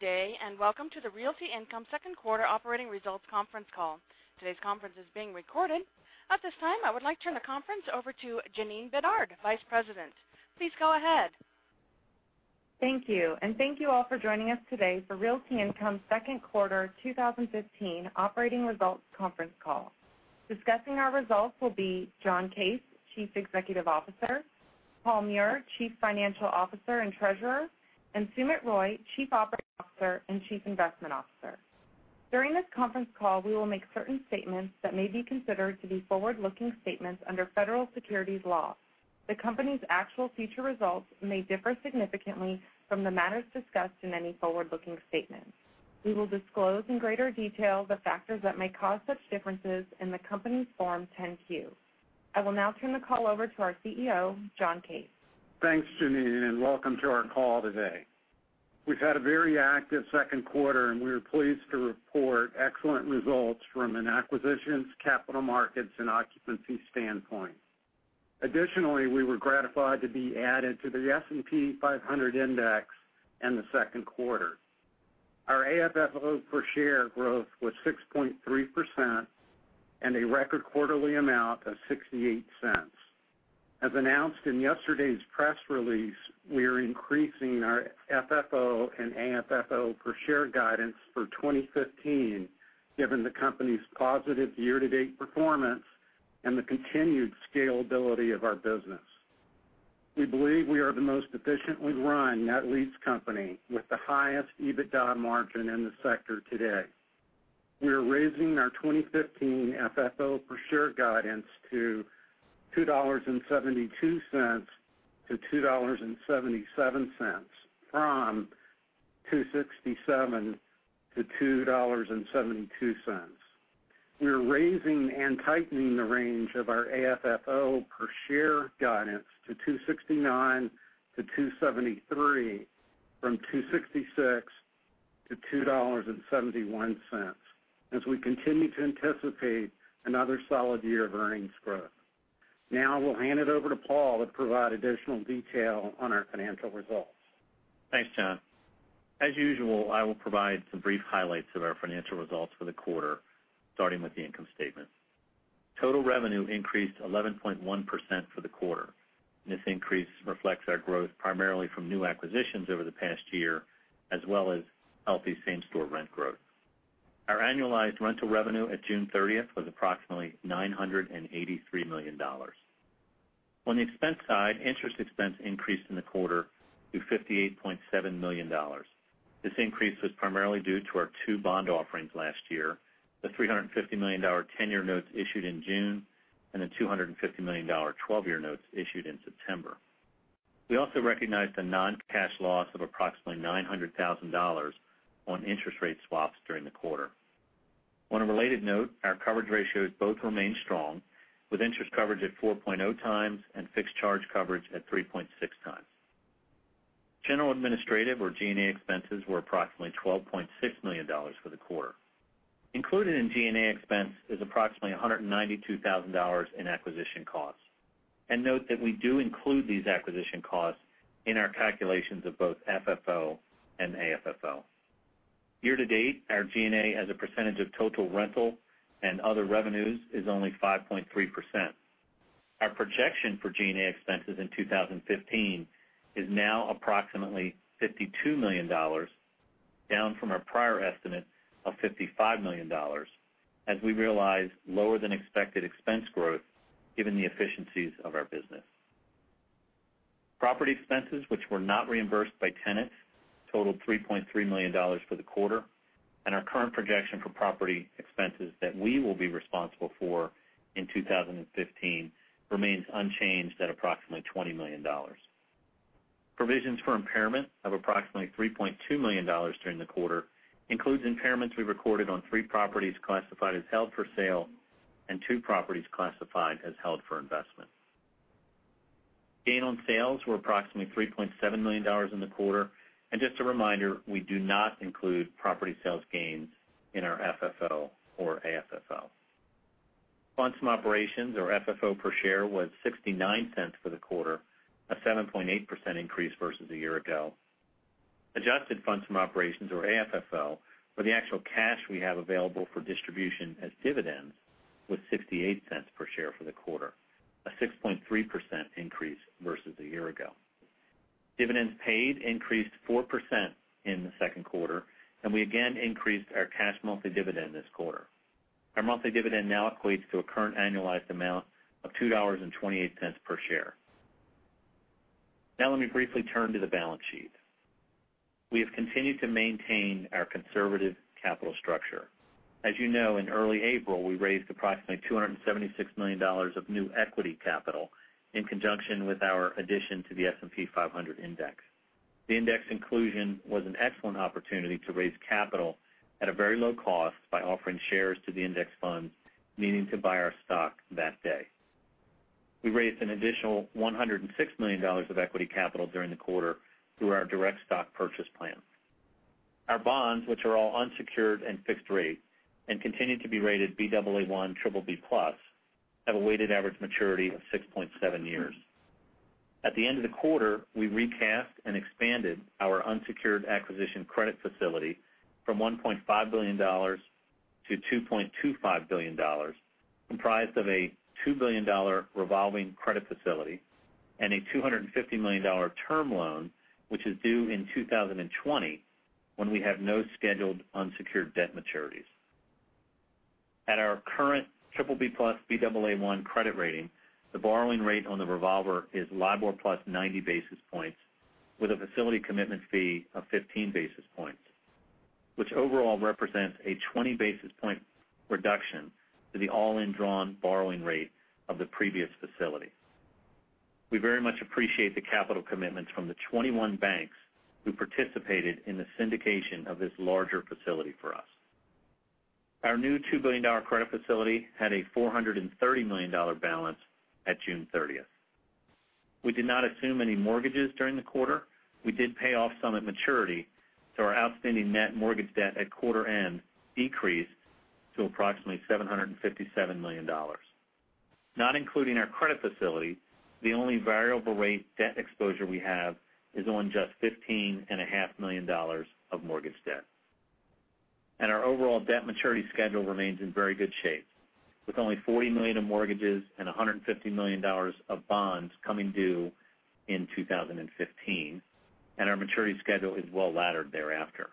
Day, welcome to the Realty Income second quarter operating results conference call. Today's conference is being recorded. At this time, I would like to turn the conference over to Jana Galan, vice president. Please go ahead. Thank you, thank you all for joining us today for Realty Income second quarter 2015 operating results conference call. Discussing our results will be John Case, Chief Executive Officer, Paul Meurer, Chief Financial Officer and Treasurer, and Sumit Roy, Chief Operating Officer and Chief Investment Officer. During this conference call, we will make certain statements that may be considered to be forward-looking statements under federal securities law. The company's actual future results may differ significantly from the matters discussed in any forward-looking statements. We will disclose in greater detail the factors that may cause such differences in the company's Form 10-Q. I will now turn the call over to our CEO, John Case. Thanks, Jana, welcome to our call today. We've had a very active second quarter, and we are pleased to report excellent results from an acquisitions, capital markets, and occupancy standpoint. Additionally, we were gratified to be added to the S&P 500 Index in the second quarter. Our AFFO per share growth was 6.3% and a record quarterly amount of $0.68. As announced in yesterday's press release, we are increasing our FFO and AFFO per share guidance for 2015, given the company's positive year-to-date performance and the continued scalability of our business. We believe we are the most efficiently run net lease company with the highest EBITDA margin in the sector today. We are raising our 2015 FFO per share guidance to $2.72-$2.77 from $2.67-$2.72. We are raising and tightening the range of our AFFO per share guidance to $2.69-$2.73 from $2.66-$2.71, as we continue to anticipate another solid year of earnings growth. Now, I will hand it over to Paul to provide additional detail on our financial results. Thanks, John. I will provide some brief highlights of our financial results for the quarter, starting with the income statement. Total revenue increased 11.1% for the quarter. This increase reflects our growth primarily from new acquisitions over the past year, as well as healthy same-store rent growth. Our annualized rental revenue at June 30th was approximately $983 million. On the expense side, interest expense increased in the quarter to $58.7 million. This increase was primarily due to our two bond offerings last year, the $350 million 10-year notes issued in June, and the $250 million 12-year notes issued in September. We also recognized a non-cash loss of approximately $900,000 on interest rate swaps during the quarter. On a related note, our coverage ratios both remain strong, with interest coverage at 4.0 times and fixed charge coverage at 3.6 times. General administrative or G&A expenses were approximately $12.6 million for the quarter. Included in G&A expense is approximately $192,000 in acquisition costs. Note that we do include these acquisition costs in our calculations of both FFO and AFFO. Year to date, our G&A as a percentage of total rental and other revenues is only 5.3%. Our projection for G&A expenses in 2015 is now approximately $52 million, down from our prior estimate of $55 million, as we realized lower-than-expected expense growth given the efficiencies of our business. Property expenses which were not reimbursed by tenants totaled $3.3 million for the quarter, and our current projection for property expenses that we will be responsible for in 2015 remains unchanged at approximately $20 million. Provisions for impairment of approximately $3.2 million during the quarter includes impairments we recorded on 3 properties classified as held for sale and 2 properties classified as held for investment. Gain on sales were approximately $3.7 million in the quarter. Just a reminder, we do not include property sales gains in our FFO or AFFO. Funds from operations or FFO per share was $0.69 for the quarter, a 7.8% increase versus a year ago. Adjusted funds from operations or AFFO, or the actual cash we have available for distribution as dividends, was $0.68 per share for the quarter, a 6.3% increase versus a year ago. Dividends paid increased 4% in the second quarter, and we again increased our cash monthly dividend this quarter. Our monthly dividend now equates to a current annualized amount of $2.28 per share. Now let me briefly turn to the balance sheet. We have continued to maintain our conservative capital structure. As you know, in early April, we raised approximately $276 million of new equity capital in conjunction with our addition to the S&P 500 Index. The index inclusion was an excellent opportunity to raise capital at a very low cost by offering shares to the index funds needing to buy our stock that day. We raised an additional $106 million of equity capital during the quarter through our direct stock purchase plan. Our bonds, which are all unsecured and fixed rate and continue to be rated Baa1 BBB+, have a weighted average maturity of 6.7 years. At the end of the quarter, we recast and expanded our unsecured acquisition credit facility from $1.5 billion to $2.25 billion, comprised of a $2 billion revolving credit facility and a $250 million term loan, which is due in 2020, when we have no scheduled unsecured debt maturities. At our current BBB+ /Baa1 credit rating, the borrowing rate on the revolver is LIBOR plus 90 basis points with a facility commitment fee of 15 basis points, which overall represents a 20 basis point reduction to the all-in drawn borrowing rate of the previous facility. We very much appreciate the capital commitments from the 21 banks who participated in the syndication of this larger facility for us. Our new $2 billion credit facility had a $430 million balance at June 30th. We did not assume any mortgages during the quarter. We did pay off some at maturity, so our outstanding net mortgage debt at quarter end decreased to approximately $757 million. Not including our credit facility, the only variable rate debt exposure we have is on just $15.5 million of mortgage debt. Our overall debt maturity schedule remains in very good shape, with only $40 million of mortgages and $150 million of bonds coming due in 2015, and our maturity schedule is well-laddered thereafter.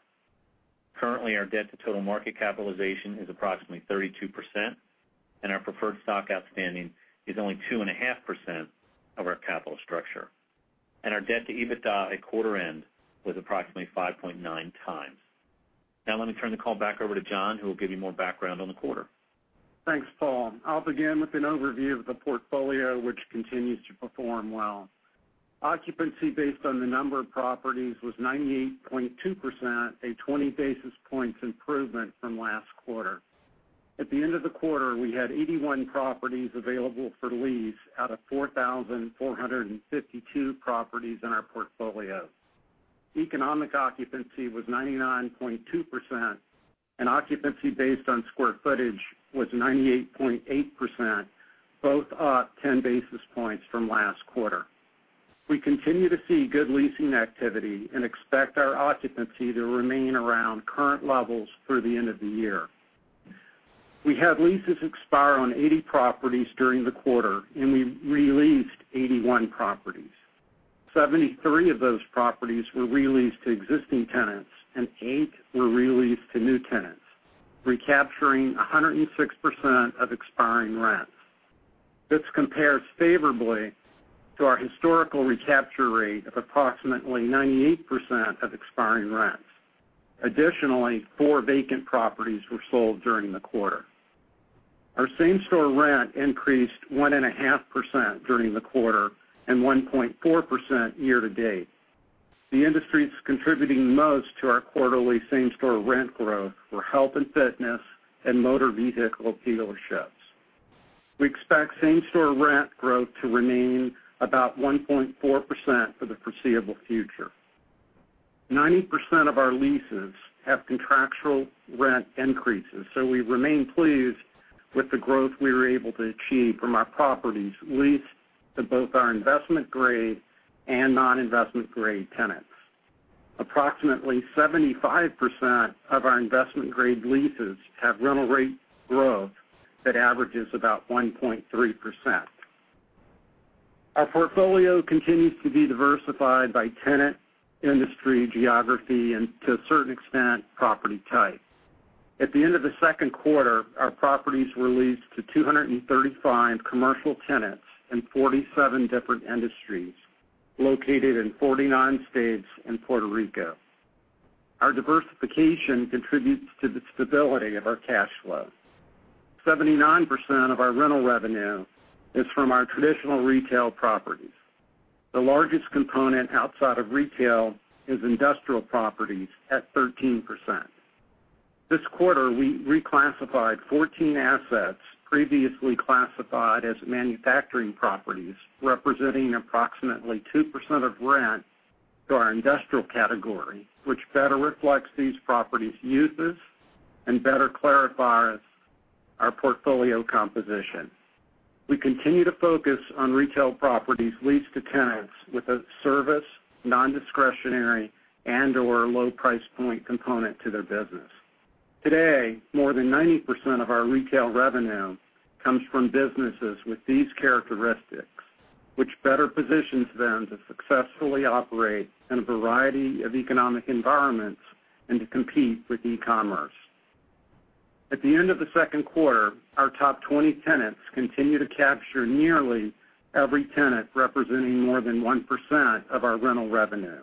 Currently, our debt to total market capitalization is approximately 32%, and our preferred stock outstanding is only 2.5% of our capital structure. Our debt to EBITDA at quarter end was approximately 5.9 times. Let me turn the call back over to John, who will give you more background on the quarter. Thanks, Paul. I'll begin with an overview of the portfolio, which continues to perform well. Occupancy based on the number of properties was 98.2%, a 20 basis points improvement from last quarter. At the end of the quarter, we had 81 properties available for lease out of 4,452 properties in our portfolio. Economic occupancy was 99.2%, and occupancy based on square footage was 98.8%, both up 10 basis points from last quarter. We continue to see good leasing activity and expect our occupancy to remain around current levels through the end of the year. We had leases expire on 80 properties during the quarter, and we re-leased 81 properties. 73 of those properties were re-leased to existing tenants, and eight were re-leased to new tenants, recapturing 106% of expiring rents. This compares favorably to our historical recapture rate of approximately 98% of expiring rents. Additionally, four vacant properties were sold during the quarter. Our same store rent increased 1.5% during the quarter and 1.4% year to date. The industries contributing most to our quarterly same store rent growth were health and fitness and motor vehicle dealerships. We expect same store rent growth to remain about 1.4% for the foreseeable future. 90% of our leases have contractual rent increases, so we remain pleased with the growth we were able to achieve from our properties leased to both our investment-grade and non-investment-grade tenants. Approximately 75% of our investment-grade leases have rental rate growth that averages about 1.3%. Our portfolio continues to be diversified by tenant, industry, geography, and to a certain extent, property type. At the end of the second quarter, our properties were leased to 235 commercial tenants in 47 different industries, located in 49 states and Puerto Rico. Our diversification contributes to the stability of our cash flow. 79% of our rental revenue is from our traditional retail properties. The largest component outside of retail is industrial properties at 13%. This quarter, we reclassified 14 assets previously classified as manufacturing properties, representing approximately 2% of rent to our industrial category, which better reflects these properties' uses and better clarifies our portfolio composition. We continue to focus on retail properties leased to tenants with a service, non-discretionary, and/or low price point component to their business. Today, more than 90% of our retail revenue comes from businesses with these characteristics, which better positions them to successfully operate in a variety of economic environments and to compete with e-commerce. At the end of the second quarter, our top 20 tenants continue to capture nearly every tenant representing more than 1% of our rental revenue.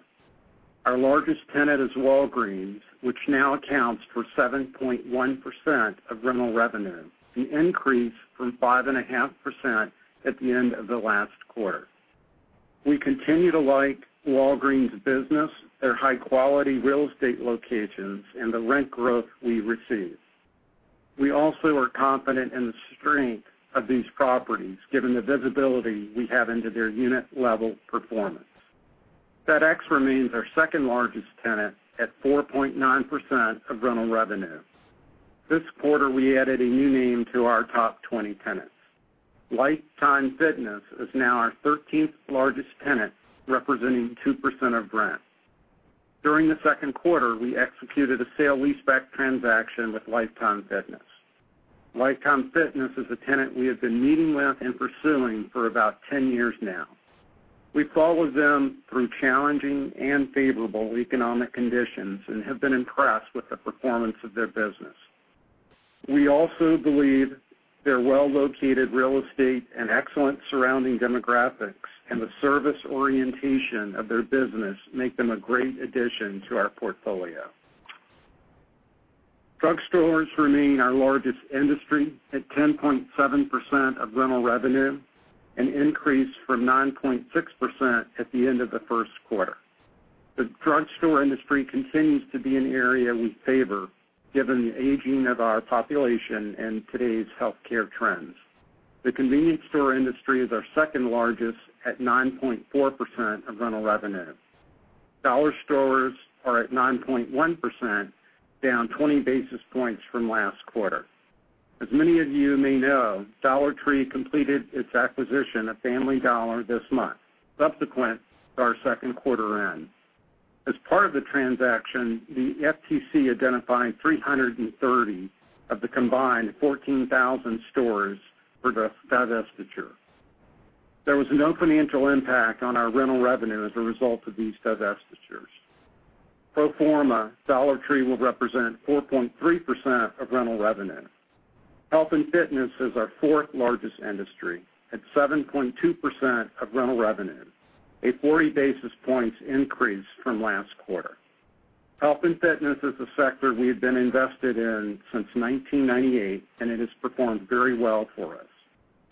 Our largest tenant is Walgreens, which now accounts for 7.1% of rental revenue, an increase from 5.5% at the end of the last quarter. We continue to like Walgreens' business, their high-quality real estate locations, and the rent growth we receive. We also are confident in the strength of these properties, given the visibility we have into their unit-level performance. FedEx remains our second-largest tenant at 4.9% of rental revenue. This quarter, we added a new name to our top 20 tenants. Life Time Fitness is now our 13th largest tenant, representing 2% of rent. During the second quarter, we executed a sale-leaseback transaction with Life Time Fitness. Life Time Fitness is a tenant we have been meeting with and pursuing for about 10 years now. We followed them through challenging and favorable economic conditions and have been impressed with the performance of their business. We also believe their well-located real estate and excellent surrounding demographics and the service orientation of their business make them a great addition to our portfolio. Drugstores remain our largest industry at 10.7% of rental revenue, an increase from 9.6% at the end of the first quarter. The drugstore industry continues to be an area we favor, given the aging of our population and today's healthcare trends. The convenience store industry is our second largest at 9.4% of rental revenue. Dollar Stores are at 9.1%, down 20 basis points from last quarter. As many of you may know, Dollar Tree completed its acquisition of Family Dollar this month, subsequent to our second quarter end. As part of the transaction, the FTC identified 330 of the combined 14,000 stores for divestiture. There was no financial impact on our rental revenue as a result of these divestitures. Pro forma, Dollar Tree will represent 4.3% of rental revenue. Health and fitness is our fourth largest industry at 7.2% of rental revenue, a 40 basis points increase from last quarter. Health and fitness is a sector we've been invested in since 1998, and it has performed very well for us.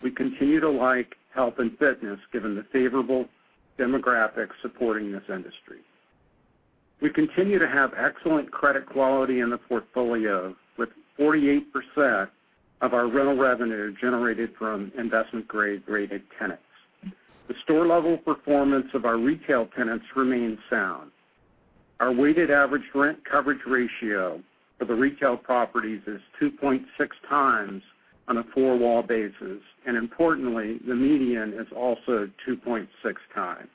We continue to like health and fitness, given the favorable demographics supporting this industry. We continue to have excellent credit quality in the portfolio, with 48% of our rental revenue generated from investment-grade-rated tenants. The store-level performance of our retail tenants remains sound. Our weighted average rent coverage ratio for the retail properties is 2.6 times on a four-wall basis, and importantly, the median is also 2.6 times.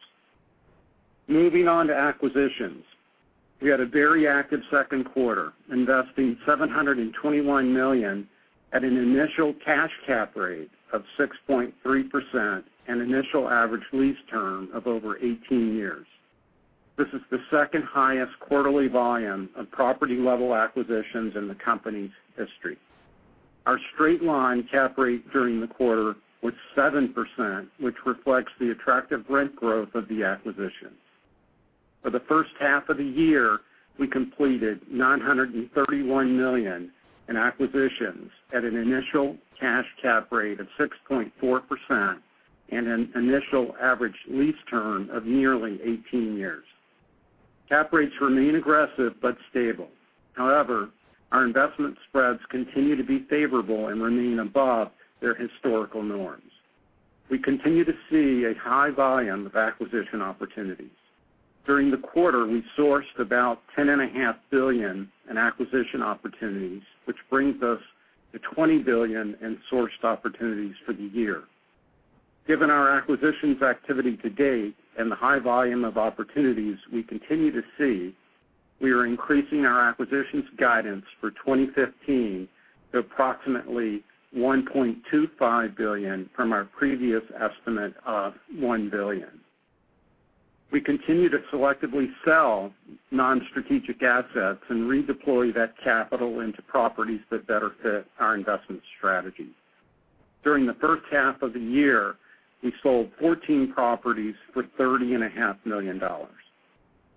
Moving on to acquisitions. We had a very active second quarter, investing $721 million at an initial cash cap rate of 6.3% and initial average lease term of over 18 years. This is the second highest quarterly volume of property-level acquisitions in the company's history. Our straight line cap rate during the quarter was 7%, which reflects the attractive rent growth of the acquisitions. For the first half of the year, we completed $931 million in acquisitions at an initial cash cap rate of 6.4% and an initial average lease term of nearly 18 years. Cap rates remain aggressive but stable. However, our investment spreads continue to be favorable and remain above their historical norms. We continue to see a high volume of acquisition opportunities. During the quarter, we sourced about $10.5 billion in acquisition opportunities, which brings us to $20 billion in sourced opportunities for the year. Given our acquisitions activity to date and the high volume of opportunities we continue to see, we are increasing our acquisitions guidance for 2015 to approximately $1.25 billion from our previous estimate of $1 billion. We continue to selectively sell non-strategic assets and redeploy that capital into properties that better fit our investment strategy. During the first half of the year, we sold 14 properties for $30.5 million.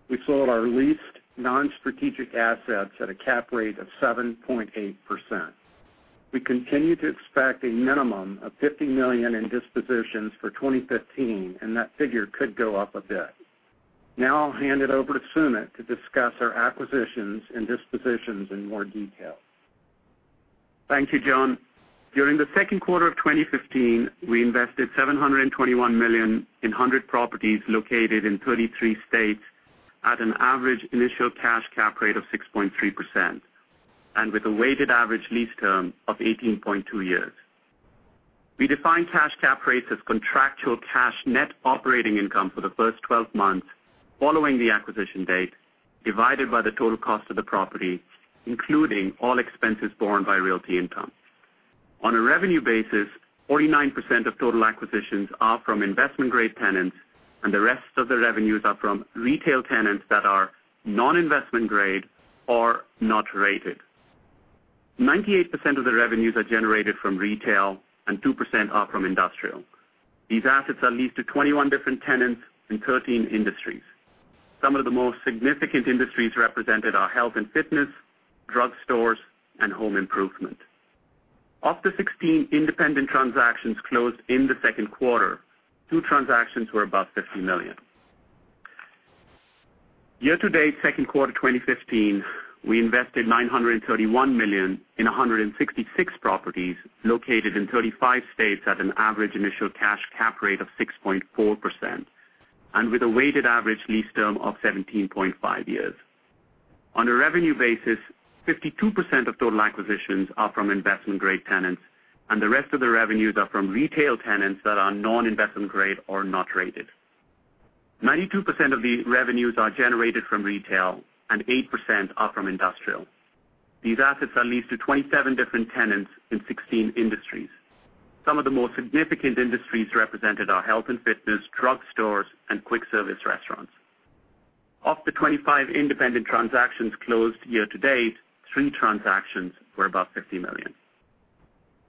We sold our leased non-strategic assets at a cap rate of 7.8%. We continue to expect a minimum of $50 million in dispositions for 2015, and that figure could go up a bit. I'll hand it over to Sumit to discuss our acquisitions and dispositions in more detail. Thank you, John. During the second quarter of 2015, we invested $721 million in 100 properties located in 33 states at an average initial cash cap rate of 6.3% and with a weighted average lease term of 18.2 years. We define cash cap rates as contractual cash net operating income for the first 12 months following the acquisition date, divided by the total cost of the property, including all expenses borne by Realty Income. On a revenue basis, 49% of total acquisitions are from investment-grade tenants, and the rest of the revenues are from retail tenants that are non-investment grade or not rated. 98% of the revenues are generated from retail and 2% are from industrial. These assets are leased to 21 different tenants in 13 industries. Some of the most significant industries represented are health and fitness, drugstores, and home improvement. Of the 16 independent transactions closed in the second quarter, two transactions were above $50 million. Year-to-date second quarter 2015, we invested $931 million in 166 properties located in 35 states at an average initial cash cap rate of 6.4% and with a weighted average lease term of 17.5 years. On a revenue basis, 52% of total acquisitions are from investment-grade tenants, and the rest of the revenues are from retail tenants that are non-investment grade or not rated. 92% of these revenues are generated from retail, and 8% are from industrial. These assets are leased to 27 different tenants in 16 industries. Some of the more significant industries represented are health and fitness, drugstores, and quick service restaurants. Of the 25 independent transactions closed year-to-date, three transactions were above $50 million.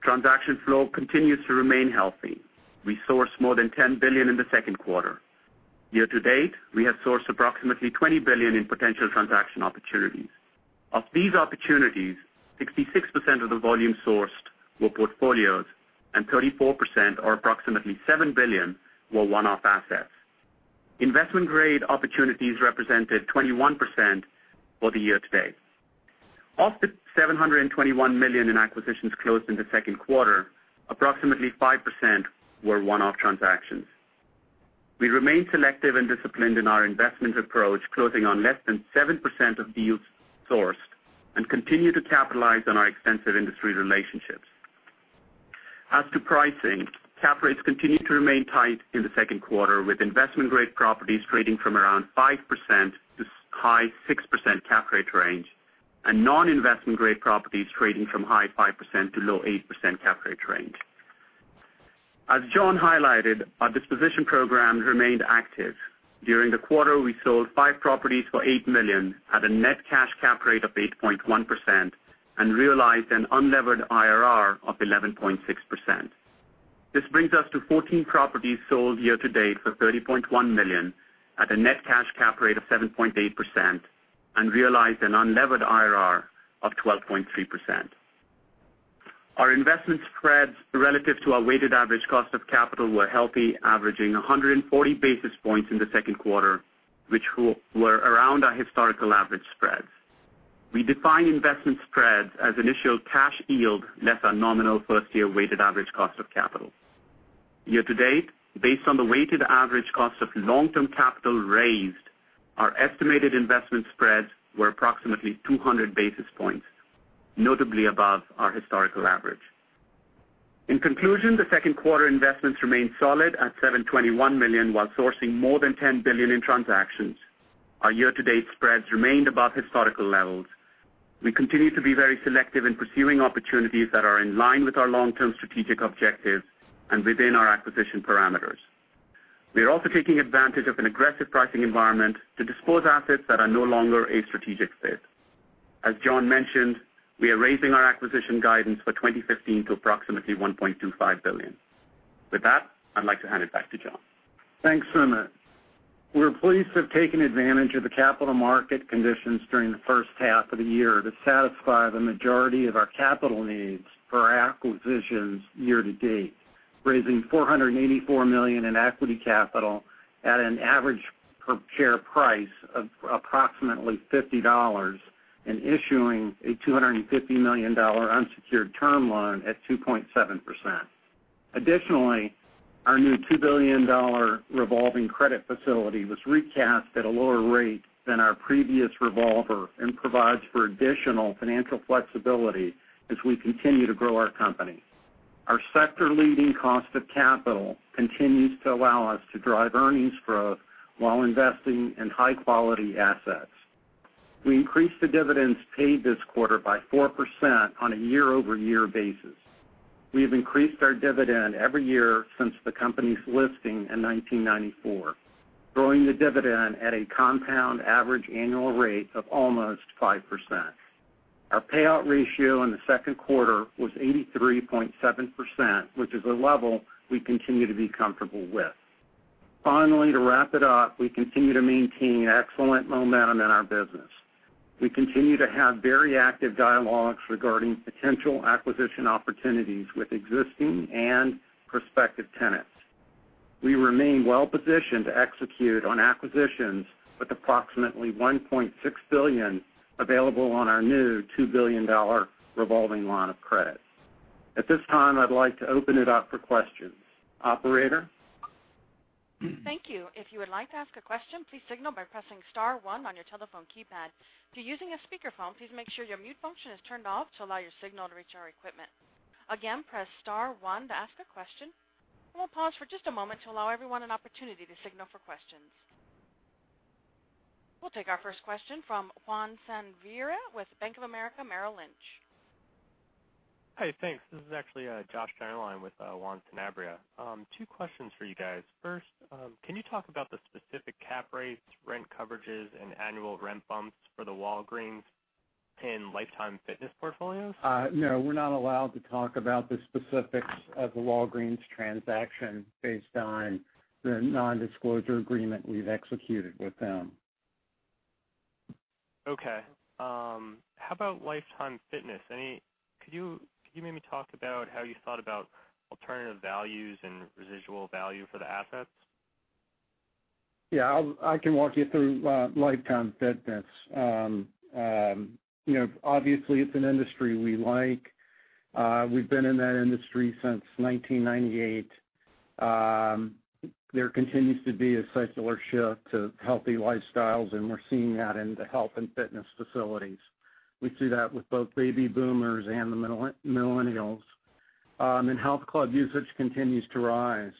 Transaction flow continues to remain healthy. We sourced more than $10 billion in the second quarter. Year-to-date, we have sourced approximately $20 billion in potential transaction opportunities. Of these opportunities, 66% of the volume sourced were portfolios, and 34%, or approximately $7 billion, were one-off assets. Investment-grade opportunities represented 21% for the year-to-date. Of the $721 million in acquisitions closed in the second quarter, approximately 5% were one-off transactions. We remain selective and disciplined in our investment approach, closing on less than 7% of deals sourced, and continue to capitalize on our extensive industry relationships. As to pricing, cap rates continued to remain tight in the second quarter, with investment-grade properties trading from around 5% to high 6% cap rate range, and non-investment-grade properties trading from high 5% to low 8% cap rate range. As John highlighted, our disposition program remained active. During the quarter, we sold five properties for $8 million at a net cash cap rate of 8.1% and realized an unlevered IRR of 11.6%. This brings us to 14 properties sold year-to-date for $30.1 million at a net cash cap rate of 7.8% and realized an unlevered IRR of 12.3%. Our investment spreads relative to our weighted average cost of capital were healthy, averaging 140 basis points in the second quarter, which were around our historical average spreads. We define investment spreads as initial cash yield less our nominal first-year weighted average cost of capital. Year-to-date, based on the weighted average cost of long-term capital raised, our estimated investment spreads were approximately 200 basis points, notably above our historical average. In conclusion, the second quarter investments remained solid at $721 million, while sourcing more than $10 billion in transactions. Our year-to-date spreads remained above historical levels. We continue to be very selective in pursuing opportunities that are in line with our long-term strategic objectives and within our acquisition parameters. We are also taking advantage of an aggressive pricing environment to dispose assets that are no longer a strategic fit. As John mentioned, we are raising our acquisition guidance for 2015 to approximately $1.25 billion. With that, I'd like to hand it back to John. Thanks, Sumit. We're pleased to have taken advantage of the capital market conditions during the first half of the year to satisfy the majority of our capital needs for our acquisitions year-to-date, raising $484 million in equity capital at an average per-share price of approximately $50 and issuing a $250 million unsecured term loan at 2.7%. Additionally, our new $2 billion revolving credit facility was recast at a lower rate than our previous revolver and provides for additional financial flexibility as we continue to grow our company. Our sector-leading cost of capital continues to allow us to drive earnings growth while investing in high-quality assets. We increased the dividends paid this quarter by 4% on a year-over-year basis. We have increased our dividend every year since the company's listing in 1994, growing the dividend at a compound average annual rate of almost 5%. Our payout ratio in the second quarter was 83.7%, which is a level we continue to be comfortable with. Finally, to wrap it up, we continue to maintain excellent momentum in our business. We continue to have very active dialogues regarding potential acquisition opportunities with existing and prospective tenants. We remain well-positioned to execute on acquisitions with approximately $1.6 billion available on our new $2 billion revolving line of credit. At this time, I'd like to open it up for questions. Operator? Thank you. If you would like to ask a question, please signal by pressing *1 on your telephone keypad. If you're using a speakerphone, please make sure your mute function is turned off to allow your signal to reach our equipment. Again, press *1 to ask a question. We'll pause for just a moment to allow everyone an opportunity to signal for questions. We'll take our first question from Juan Sanabria with Bank of America Merrill Lynch. Hi. Thanks. This is actually Joshua Attie with Juan Sanabria. Two questions for you guys. First, can you talk about the specific cap rates, rent coverages, and annual rent bumps for the Walgreens and Life Time Fitness portfolios? No, we're not allowed to talk about the specifics of the Walgreens transaction based on the nondisclosure agreement we've executed with them. Okay. How about Life Time Fitness? Could you maybe talk about how you thought about alternative values and residual value for the assets? I can walk you through Life Time Fitness. Obviously, it's an industry we like. We've been in that industry since 1998. There continues to be a secular shift to healthy lifestyles, and we're seeing that in the health and fitness facilities. We see that with both baby boomers and the millennials. Health club usage continues to rise.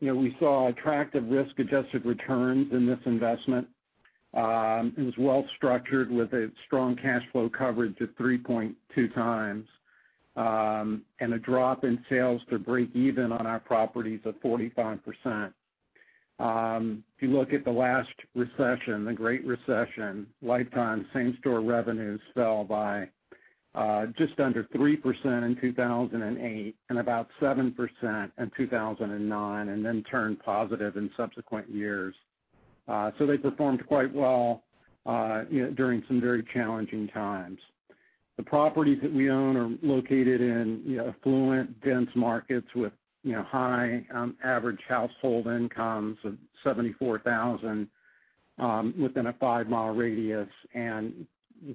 We saw attractive risk-adjusted returns in this investment. It was well-structured with a strong cash flow coverage of 3.2 times, and a drop in sales to break even on our properties of 45%. If you look at the last recession, the Great Recession, Life Time same-store revenues fell by just under 3% in 2008 and about 7% in 2009, and then turned positive in subsequent years. They performed quite well during some very challenging times. The properties that we own are located in affluent, dense markets with high average household incomes of $74,000 within a five-mile radius, and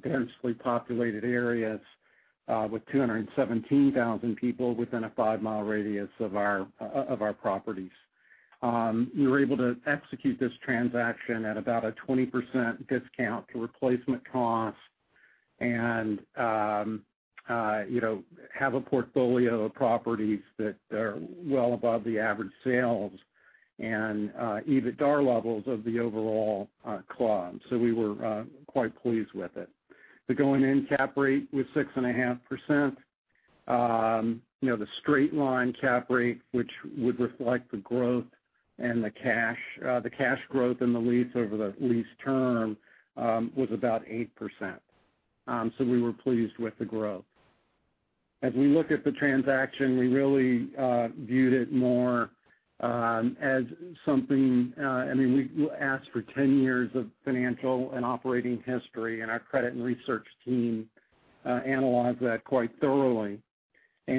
densely populated areas with 217,000 people within a five-mile radius of our properties. We were able to execute this transaction at about a 20% discount to replacement cost and have a portfolio of properties that are well above the average sales and EBITDA levels of the overall club. We were quite pleased with it. The going-in cap rate was 6.5%. The straight-line cap rate, which would reflect the growth and the cash growth in the lease over the lease term, was about 8%. We were pleased with the growth. As we look at the transaction, we really viewed it more as something. We asked for 10 years of financial and operating history, and our credit and research team analyzed that quite thoroughly. We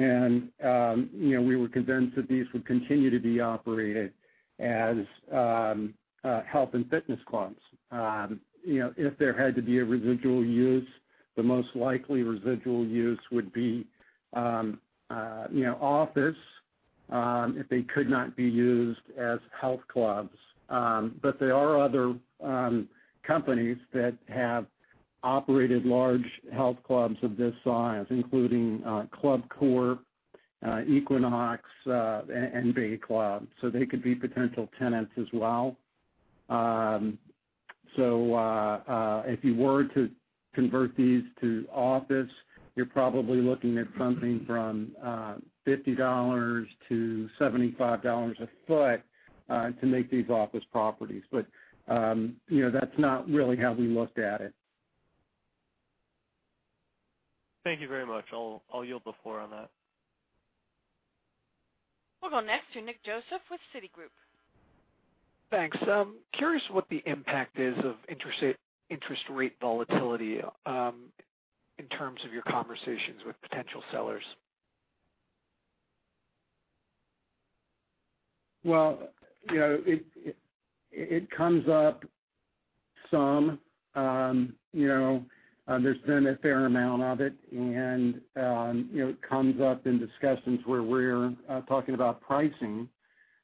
were convinced that these would continue to be operated as health and fitness clubs. If there had to be a residual use, the most likely residual use would be office if they could not be used as health clubs. There are other companies that have operated large health clubs of this size, including ClubCorp, Equinox, and NY Club, so they could be potential tenants as well. If you were to convert these to office, you're probably looking at something from $50-$75 a foot to make these office properties. That's not really how we looked at it. Thank you very much. I'll yield the floor on that. We'll go next to Nick Joseph with Citigroup. Thanks. Curious what the impact is of interest rate volatility in terms of your conversations with potential sellers. Well, it comes up some. There's been a fair amount of it, and it comes up in discussions where we're talking about pricing.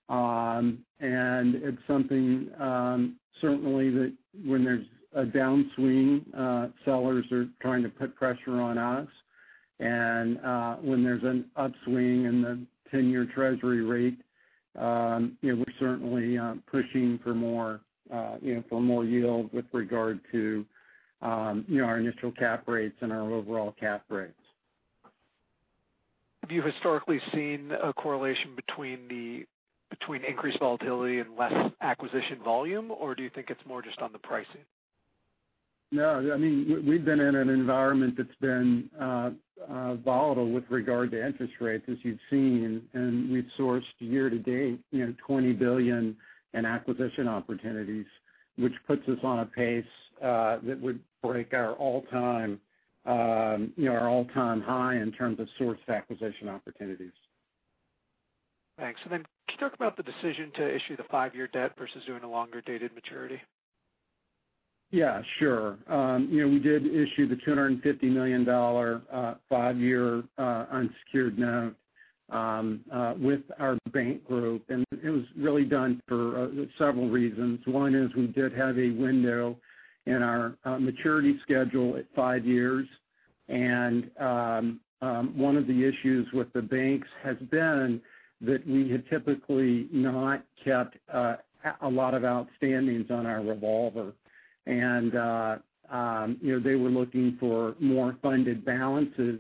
It's something certainly that when there's a downswing, sellers are trying to put pressure on us, and when there's an upswing in the 10-year Treasury rate, we're certainly pushing for more yield with regard to our initial cap rates and our overall cap rates. Have you historically seen a correlation between increased volatility and less acquisition volume, or do you think it's more just on the pricing? No. We've been in an environment that's been volatile with regard to interest rates, as you've seen. We've sourced year-to-date, $20 billion in acquisition opportunities, which puts us on a pace that would break our all-time high in terms of sourced acquisition opportunities. Thanks. Can you talk about the decision to issue the 5-year debt versus doing a longer dated maturity? Yeah, sure. We did issue the $250 million 5-year unsecured note with our bank group. It was really done for several reasons. One is we did have a window in our maturity schedule at five years. One of the issues with the banks has been that we had typically not kept a lot of outstandings on our revolver. They were looking for more funded balances.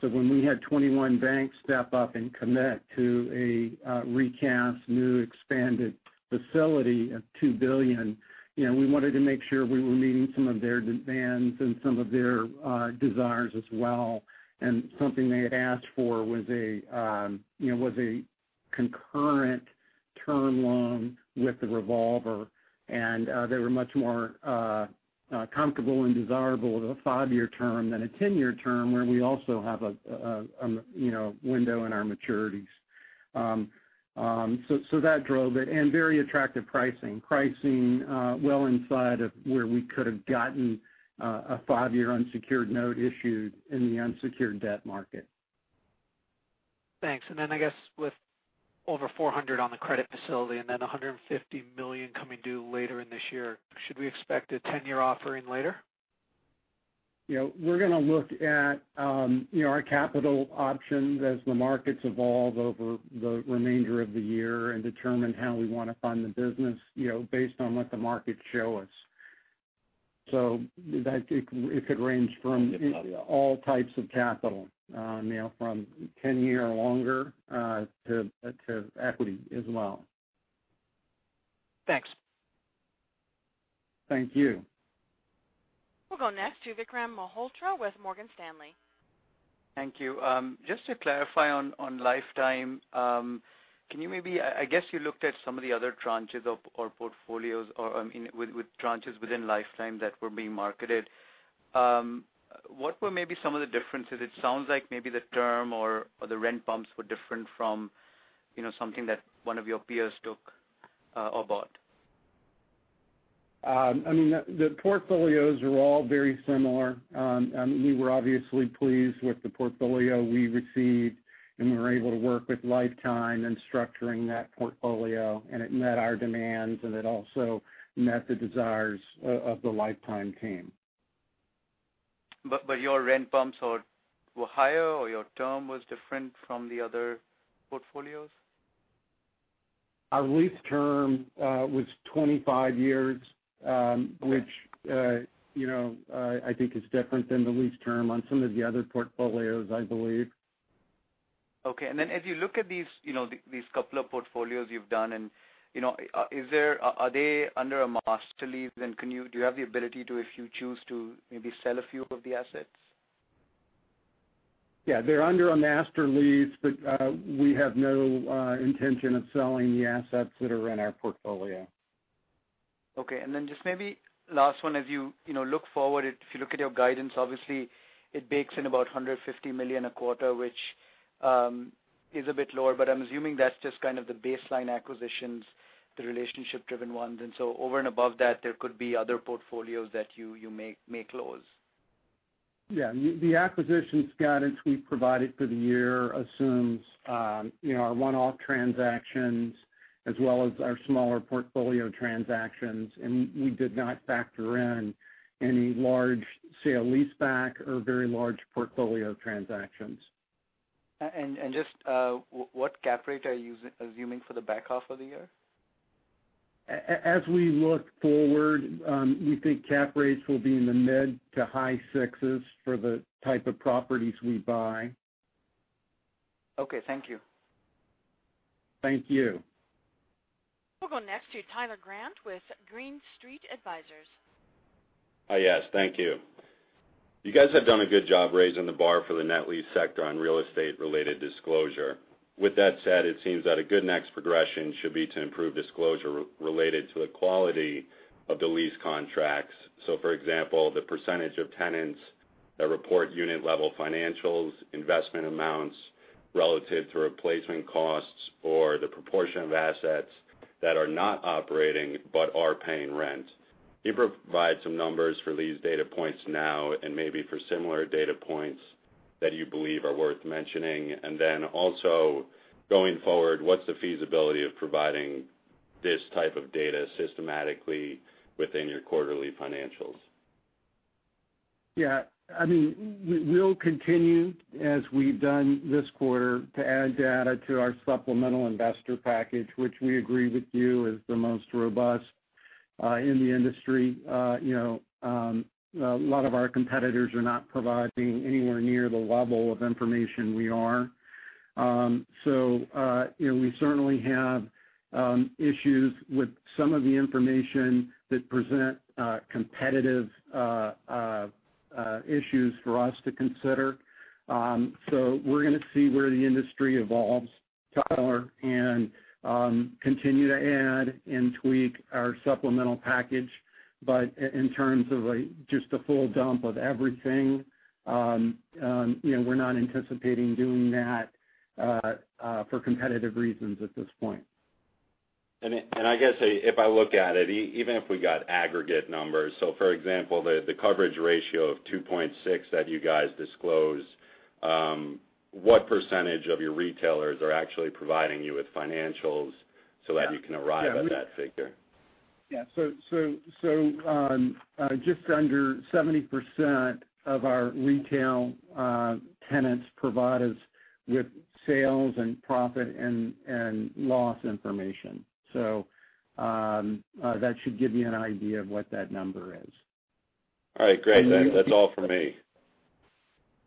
When we had 21 banks step up and commit to a recast, new, expanded facility of $2 billion, we wanted to make sure we were meeting some of their demands and some of their desires as well. Something they had asked for was a concurrent Term loan with the revolver, and they were much more comfortable and desirable with a 5-year term than a 10-year term, where we also have a window in our maturities. That drove it. Very attractive pricing. Pricing well inside of where we could have gotten a five-year unsecured note issued in the unsecured debt market. Thanks. I guess with over $400 on the credit facility and then $150 million coming due later in this year, should we expect a 10-year offering later? We're going to look at our capital options as the markets evolve over the remainder of the year and determine how we want to fund the business, based on what the markets show us. It could range from all types of capital, from 10-year or longer to equity as well. Thanks. Thank you. We'll go next to Vikram Malhotra with Morgan Stanley. Thank you. Just to clarify on Life Time, I guess you looked at some of the other tranches or portfolios, or with tranches within Life Time that were being marketed. What were maybe some of the differences? It sounds like maybe the term or the rent bumps were different from something that one of your peers took or bought. The portfolios were all very similar. We were obviously pleased with the portfolio we received, and we were able to work with Life Time in structuring that portfolio, and it met our demands, and it also met the desires of the Life Time team. Your rent bumps were higher, or your term was different from the other portfolios? Our lease term was 25 years. Okay. Which I think is different than the lease term on some of the other portfolios, I believe. Okay. As you look at these couple of portfolios you've done, are they under a master lease? Do you have the ability to, if you choose to, maybe sell a few of the assets? Yeah, they're under a master lease. We have no intention of selling the assets that are in our portfolio. Okay. Then just maybe last one. As you look forward, if you look at your guidance, obviously it bakes in about $150 million a quarter, which is a bit lower, but I'm assuming that's just kind of the baseline acquisitions, the relationship-driven ones. So over and above that, there could be other portfolios that you may close. Yeah. The acquisitions guidance we provided for the year assumes our one-off transactions as well as our smaller portfolio transactions. We did not factor in any large sale-lease-back or very large portfolio transactions. Just what cap rate are you assuming for the back half of the year? As we look forward, we think cap rates will be in the mid to high sixes for the type of properties we buy. Okay, thank you. Thank you. We'll go next to Tyler Grant with Green Street Advisors. Yes, thank you. You guys have done a good job raising the bar for the net lease sector on real estate-related disclosure. With that said, it seems that a good next progression should be to improve disclosure related to the quality of the lease contracts. For example, the percentage of tenants that report unit-level financials, investment amounts relative to replacement costs, or the proportion of assets that are not operating but are paying rent. Can you provide some numbers for these data points now and maybe for similar data points that you believe are worth mentioning? Also going forward, what's the feasibility of providing this type of data systematically within your quarterly financials? Yeah. We'll continue, as we've done this quarter, to add data to our supplemental investor package, which we agree with you is the most robust in the industry. A lot of our competitors are not providing anywhere near the level of information we are. We certainly have issues with some of the information that present competitive issues for us to consider. We're going to see where the industry evolves, Tyler, and continue to add and tweak our supplemental package. In terms of just a full dump of everything, we're not anticipating doing that for competitive reasons at this point. I guess if I look at it, even if we got aggregate numbers, for example, the coverage ratio of 2.6 that you guys disclosed, what % of your retailers are actually providing you with financials so that you can arrive at that figure? Yeah. Just under 70% of our retail tenants provide us with sales and profit and loss information. That should give you an idea of what that number is. All right. Great. That's all for me.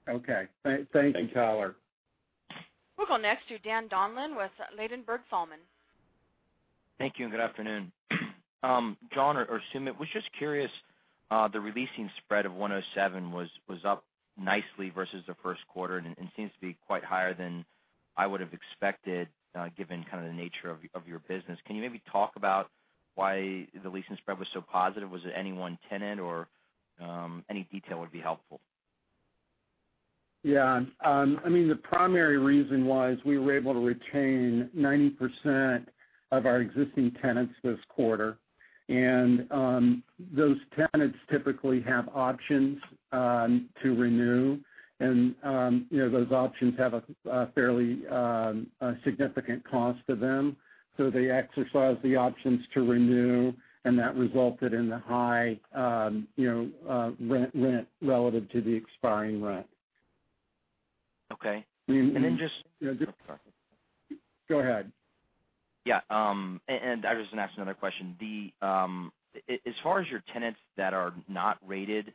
Okay. Thank you, Tyler. We'll go next to Dan Donlan with Ladenburg Thalmann. Thank you. Good afternoon. John or Sumit, was just curious. The re-leasing spread of 107 was up nicely versus the first quarter and seems to be quite higher than I would've expected, given the nature of your business. Can you maybe talk about why the leasing spread was so positive? Was it any one tenant or any detail would be helpful. Yeah. The primary reason was we were able to retain 90% of our existing tenants this quarter. Those tenants typically have options to renew and those options have a fairly significant cost to them. They exercise the options to renew, and that resulted in the high rent relative to the expiring rent. Okay. Go ahead. Yeah. I was going to ask another question. As far as your tenants that are not rated,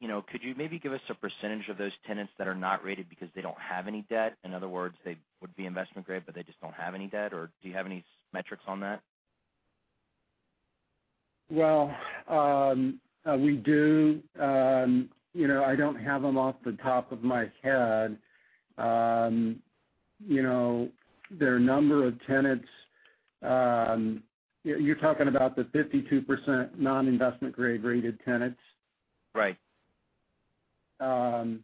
could you maybe give us a percentage of those tenants that are not rated because they don't have any debt? In other words, they would be investment grade, but they just don't have any debt, or do you have any metrics on that? Well, we do. I don't have them off the top of my head. There are a number of tenants. You're talking about the 52% non-investment grade rated tenants? Right. I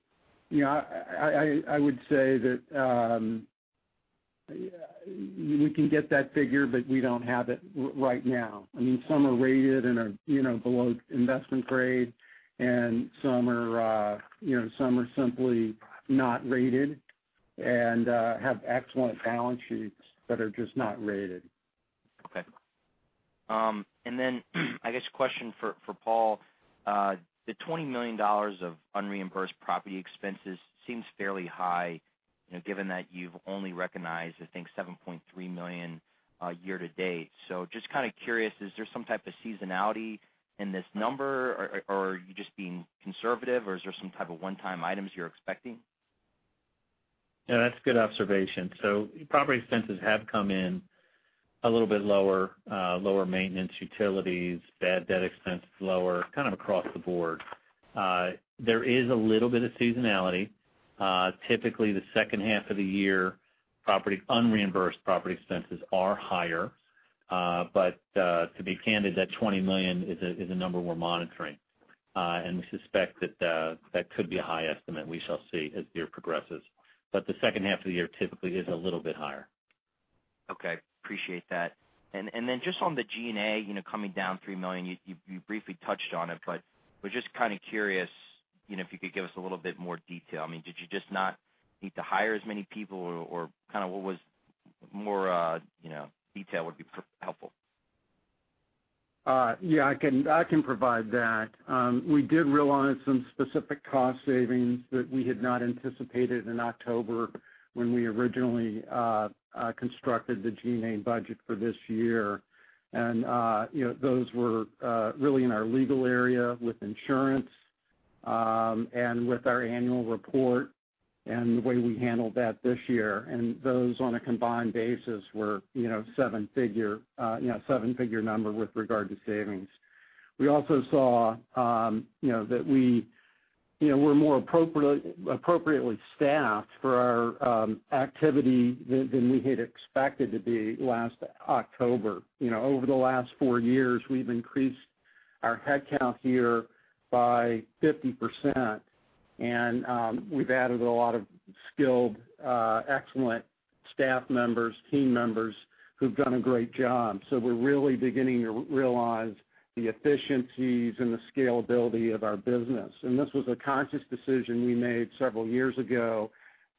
would say that we can get that figure, but we don't have it right now. Some are rated and are below investment grade, and some are simply not rated and have excellent balance sheets but are just not rated. Okay. I guess a question for Paul. The $20 million of unreimbursed property expenses seems fairly high, given that you've only recognized, I think $7.3 million year to date. Just kind of curious, is there some type of seasonality in this number, or are you just being conservative or is there some type of one-time items you're expecting? Yeah, that's a good observation. Property expenses have come in a little bit lower maintenance, utilities, bad debt expense is lower, kind of across the board. There is a little bit of seasonality. Typically, the second half of the year, unreimbursed property expenses are higher. To be candid, that $20 million is a number we're monitoring. We suspect that could be a high estimate. We shall see as the year progresses. The second half of the year typically is a little bit higher. Okay. Appreciate that. Just on the G&A coming down $3 million, you briefly touched on it, but was just kind of curious, if you could give us a little bit more detail. Did you just not need to hire as many people or what was more detail would be helpful. I can provide that. We did realize some specific cost savings that we had not anticipated in October when we originally constructed the G&A budget for this year. Those were really in our legal area with insurance, and with our annual report and the way we handled that this year. Those on a combined basis were seven-figure number with regard to savings. We also saw that we're more appropriately staffed for our activity than we had expected to be last October. Over the last four years, we've increased our headcount here by 50%, and we've added a lot of skilled, excellent staff members, team members who've done a great job. We're really beginning to realize the efficiencies and the scalability of our business. This was a conscious decision we made several years ago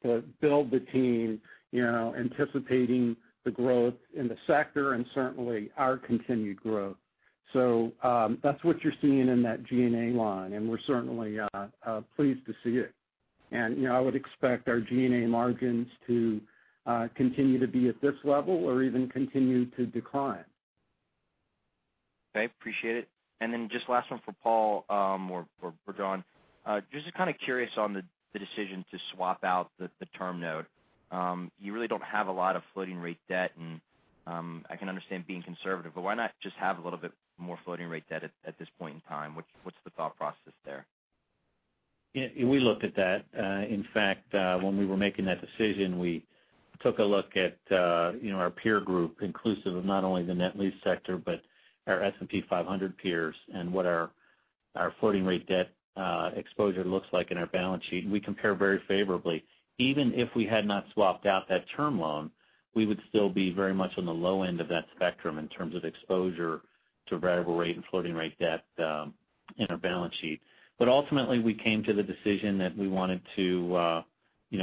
to build the team anticipating the growth in the sector and certainly our continued growth. That's what you're seeing in that G&A line, and we're certainly pleased to see it. I would expect our G&A margins to continue to be at this level or even continue to decline. Okay. Appreciate it. Just last one for Paul, or John. Just kind of curious on the decision to swap out the term note. You really don't have a lot of floating rate debt, and I can understand being conservative, but why not just have a little bit more floating rate debt at this point in time? What's the thought process there? We looked at that. In fact, when we were making that decision, we took a look at our peer group, inclusive of not only the net lease sector, but our S&P 500 peers and what our floating rate debt exposure looks like in our balance sheet. We compare very favorably. Even if we had not swapped out that term loan, we would still be very much on the low end of that spectrum in terms of exposure to variable rate and floating rate debt in our balance sheet. Ultimately, we came to the decision that we wanted to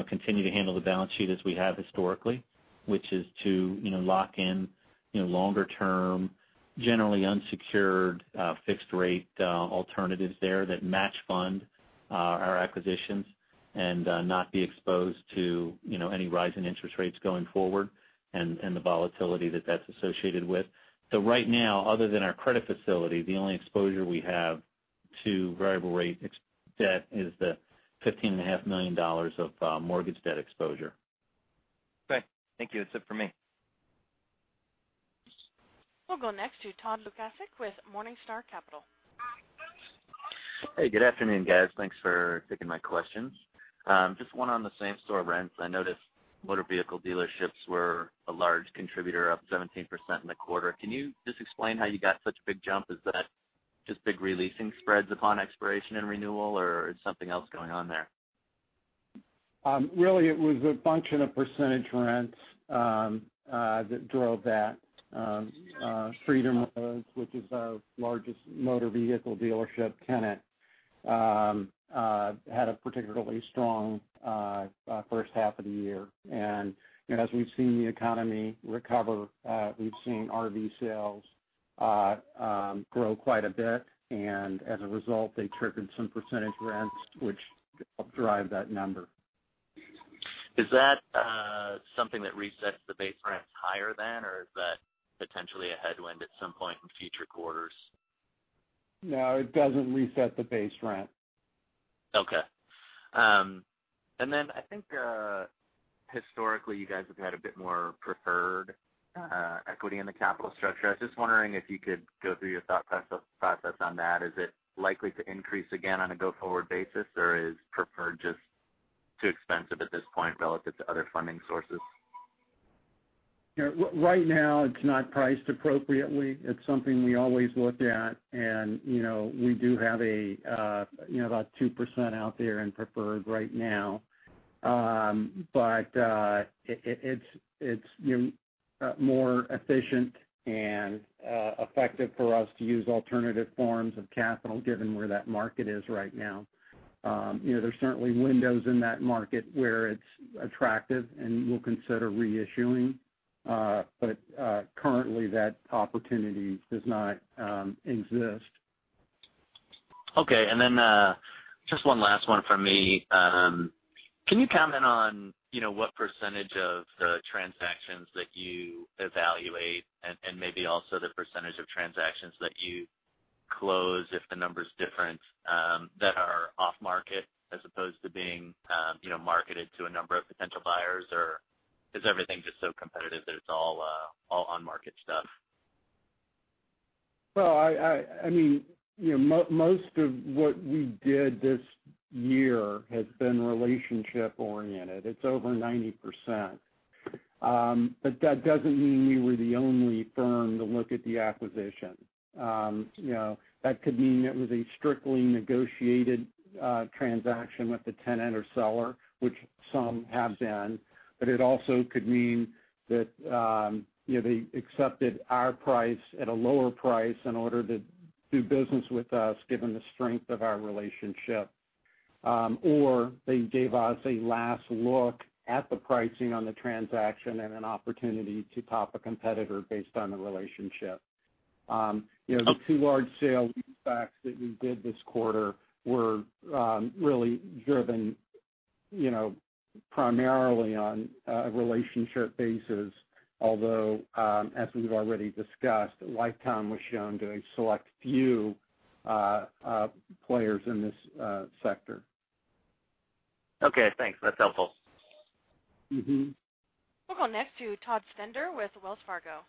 continue to handle the balance sheet as we have historically, which is to lock in longer term, generally unsecured fixed rate alternatives there that match fund our acquisitions and not be exposed to any rise in interest rates going forward and the volatility that's associated with. Right now, other than our credit facility, the only exposure we have to variable rate debt is the $15.5 million of mortgage debt exposure. Okay. Thank you. That's it for me. We'll go next to Todd Lukasik with Morningstar Capital. Hey, good afternoon, guys. Thanks for taking my questions. Just one on the same-store rents. I noticed motor vehicle dealerships were a large contributor, up 17% in the quarter. Can you just explain how you got such a big jump? Is that just big re-leasing spreads upon expiration and renewal, or is something else going on there? Really, it was a function of percentage rents that drove that. FreedomRoads, which is our largest motor vehicle dealership tenant, had a particularly strong first half of the year. As we've seen the economy recover, we've seen RV sales grow quite a bit, and as a result, they triggered some percentage rents, which helped drive that number. Is that something that resets the base rents higher then, or is that potentially a headwind at some point in future quarters? No, it doesn't reset the base rent. Okay. I think, historically, you guys have had a bit more preferred equity in the capital structure. I was just wondering if you could go through your thought process on that. Is it likely to increase again on a go-forward basis, or is preferred just too expensive at this point relative to other funding sources? Right now, it's not priced appropriately. It's something we always look at, and we do have about 2% out there in preferred right now. It's more efficient and effective for us to use alternative forms of capital given where that market is right now. There's certainly windows in that market where it's attractive, and we'll consider reissuing. Currently, that opportunity does not exist. Okay, just one last one from me. Can you comment on what % of the transactions that you evaluate and maybe also the % of transactions that you close, if the number's different, that are off-market as opposed to being marketed to a number of potential buyers, or is everything just so competitive that it's all on-market stuff? Well, most of what we did this year has been relationship-oriented. It's over 90%. That doesn't mean we were the only firm to look at the acquisition. That could mean it was a strictly negotiated transaction with the tenant or seller, which some have been. It also could mean that they accepted our price at a lower price in order to do business with us, given the strength of our relationship. They gave us a last look at the pricing on the transaction and an opportunity to top a competitor based on the relationship. The two large sale leasebacks that we did this quarter were really driven primarily on a relationship basis, although, as we've already discussed, Life Time was shown to a select few players in this sector. Okay, thanks. That's helpful. We'll go next to Todd Stender with Wells Fargo.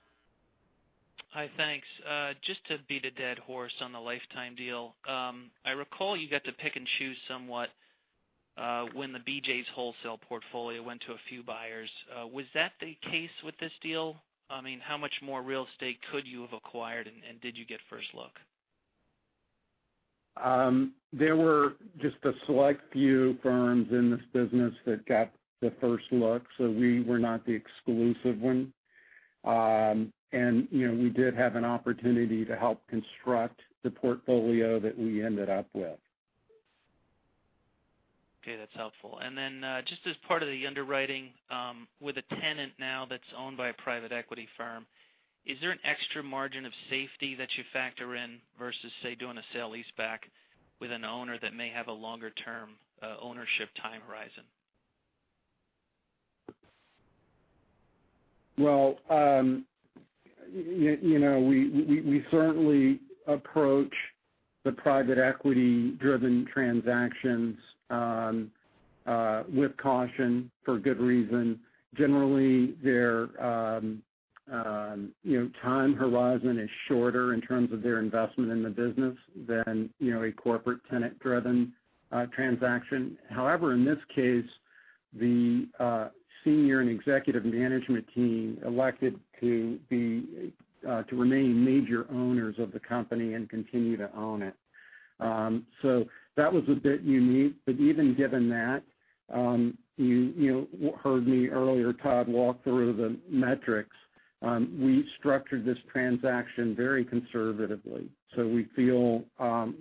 Hi, thanks. Just to beat a dead horse on the Life Time deal. I recall you got to pick and choose somewhat when the BJ's Wholesale portfolio went to a few buyers. Was that the case with this deal? How much more real estate could you have acquired, and did you get first look? We were not the exclusive one. We did have an opportunity to help construct the portfolio that we ended up with. Okay, that's helpful. Just as part of the underwriting with a tenant now that's owned by a private equity firm, is there an extra margin of safety that you factor in versus, say, doing a sale-leaseback with an owner that may have a longer-term ownership time horizon? Well, we certainly approach the private equity-driven transactions with caution for good reason. Generally, their time horizon is shorter in terms of their investment in the business than a corporate tenant-driven transaction. However, in this case, the senior and executive management team elected to remain major owners of the company and continue to own it. That was a bit unique, but even given that, you heard me earlier, Todd, walk through the metrics. We structured this transaction very conservatively, so we feel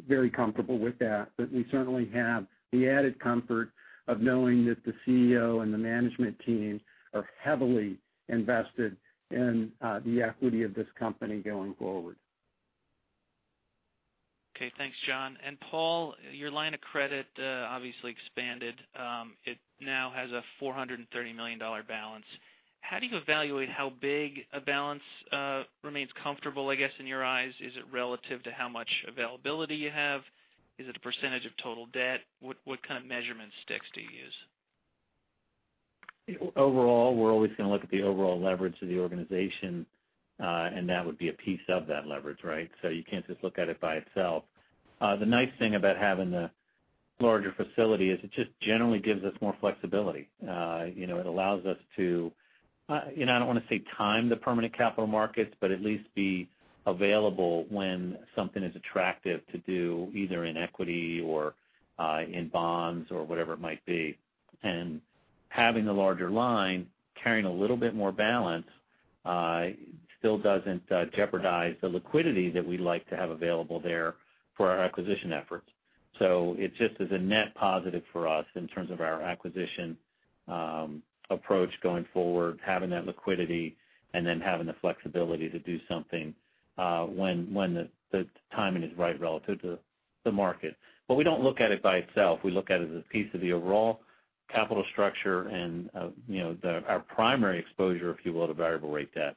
very comfortable with that. We certainly have the added comfort of knowing that the CEO and the management team are heavily invested in the equity of this company going forward. Okay, thanks, John. Paul, your line of credit obviously expanded. It now has a $430 million balance. How do you evaluate how big a balance remains comfortable, I guess, in your eyes? Is it relative to how much availability you have? Is it a percentage of total debt? What kind of measurement sticks do you use? Overall, we're always going to look at the overall leverage of the organization, and that would be a piece of that leverage, right? You can't just look at it by itself. The nice thing about having the larger facility is it just generally gives us more flexibility. It allows us to, I don't want to say time the permanent capital markets, but at least be available when something is attractive to do, either in equity or in bonds or whatever it might be. Having the larger line, carrying a little bit more balance, still doesn't jeopardize the liquidity that we'd like to have available there for our acquisition efforts. It just is a net positive for us in terms of our acquisition approach going forward, having that liquidity and then having the flexibility to do something when the timing is right relative to the market. We don't look at it by itself. We look at it as a piece of the overall capital structure and our primary exposure, if you will, to variable rate debt.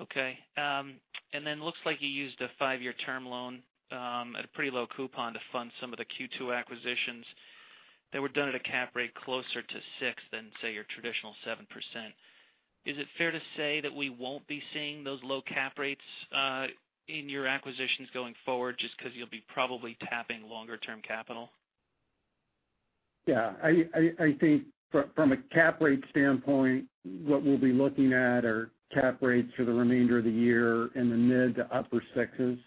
Okay. Looks like you used a 5-year term loan at a pretty low coupon to fund some of the Q2 acquisitions that were done at a cap rate closer to 6% than, say, your traditional 7%. Is it fair to say that we won't be seeing those low cap rates in your acquisitions going forward, just because you'll be probably tapping longer-term capital? Yeah. I think from a cap rate standpoint, what we'll be looking at are cap rates for the remainder of the year in the mid to upper sixes.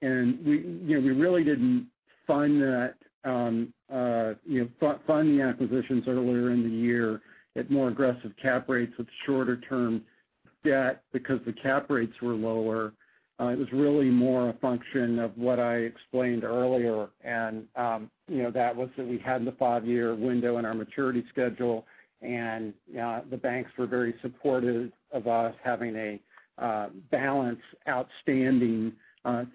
We really didn't fund the acquisitions earlier in the year at more aggressive cap rates with shorter-term debt because the cap rates were lower. It was really more a function of what I explained earlier, and that was that we had the 5-year window in our maturity schedule, and the banks were very supportive of us having a balance outstanding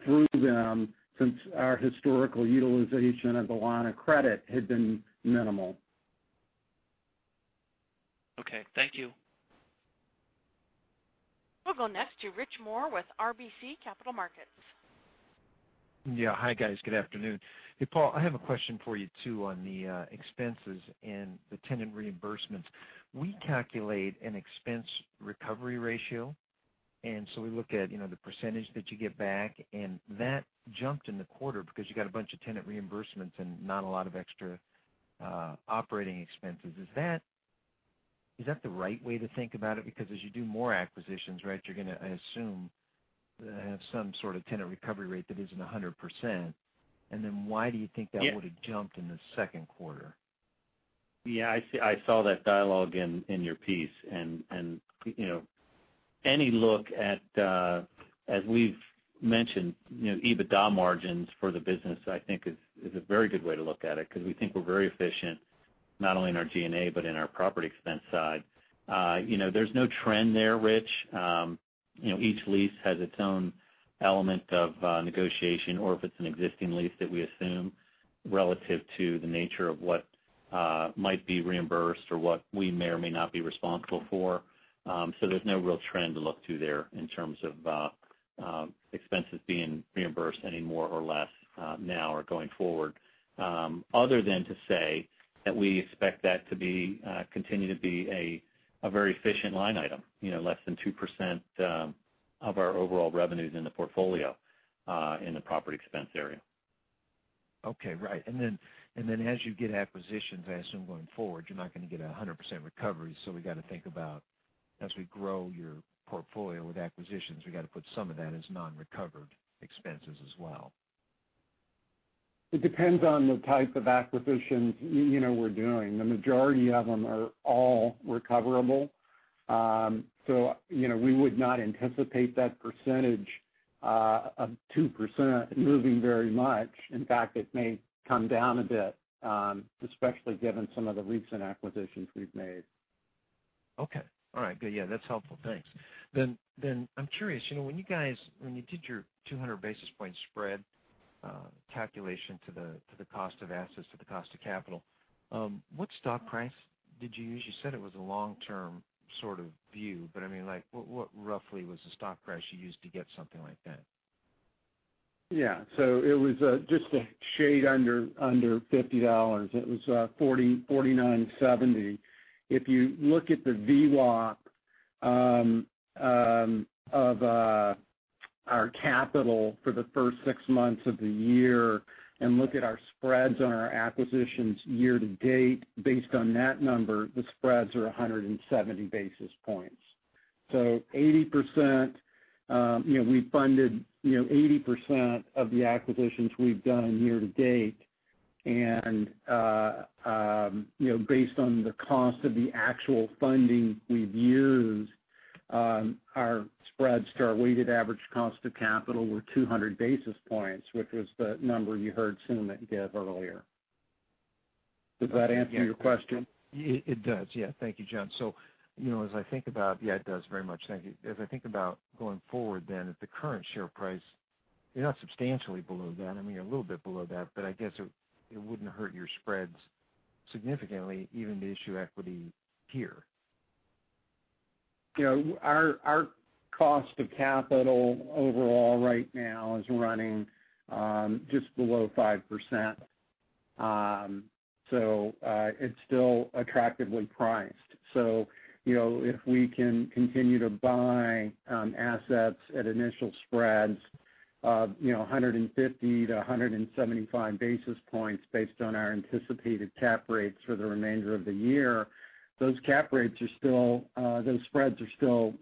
through them since our historical utilization of the line of credit had been minimal. Okay. Thank you. We'll go next to Rich Moore with RBC Capital Markets. Hi, guys. Good afternoon. Hey, Paul, I have a question for you too on the expenses and the tenant reimbursements. We calculate an expense recovery ratio. We look at the percentage that you get back, and that jumped in the quarter because you got a bunch of tenant reimbursements and not a lot of extra operating expenses. Is that the right way to think about it? As you do more acquisitions, you're going to, I assume, have some sort of tenant recovery rate that isn't 100%. Why do you think that would have jumped in the second quarter? Yeah, I saw that dialogue in your piece. Any look at, as we've mentioned, EBITDA margins for the business, I think, is a very good way to look at it, because we think we're very efficient, not only in our G&A, but in our property expense side. There's no trend there, Rich. Each lease has its own element of negotiation, or if it's an existing lease that we assume relative to the nature of what might be reimbursed or what we may or may not be responsible for. There's no real trend to look to there in terms of expenses being reimbursed any more or less now or going forward, other than to say that we expect that to continue to be a very efficient line item, less than 2% of our overall revenues in the portfolio in the property expense area. Okay. Right. As you get acquisitions, I assume going forward, you're not going to get 100% recovery. We got to think about as we grow your portfolio with acquisitions, we got to put some of that as non-recovered expenses as well. It depends on the type of acquisitions we're doing. The majority of them are all recoverable. We would not anticipate that percentage of 2% moving very much. In fact, it may come down a bit, especially given some of the recent acquisitions we've made. Okay. All right. Good. Yeah, that's helpful. Thanks. I'm curious, when you did your 200 basis point spread calculation to the cost of assets, to the cost of capital, what stock price did you use? You said it was a long-term sort of view, but I mean, what roughly was the stock price you used to get something like that? Yeah. It was just a shade under $50. It was $49.70. If you look at the WACC of our capital for the first six months of the year and look at our spreads on our acquisitions year to date, based on that number, the spreads are 170 basis points. We funded 80% of the acquisitions we've done year to date, and based on the cost of the actual funding we've used, our spreads to our weighted average cost of capital were 200 basis points, which was the number you heard Sumit give earlier. Does that answer your question? It does. Yeah. Thank you, John. Yeah, it does. Very much. Thank you. As I think about going forward then at the current share price, you're not substantially below that. I mean, you're a little bit below that, but I guess it wouldn't hurt your spreads significantly even to issue equity here. Our cost of capital overall right now is running just below 5%. It's still attractively priced. If we can continue to buy assets at initial spreads of 150 to 175 basis points based on our anticipated cap rates for the remainder of the year, those spreads are still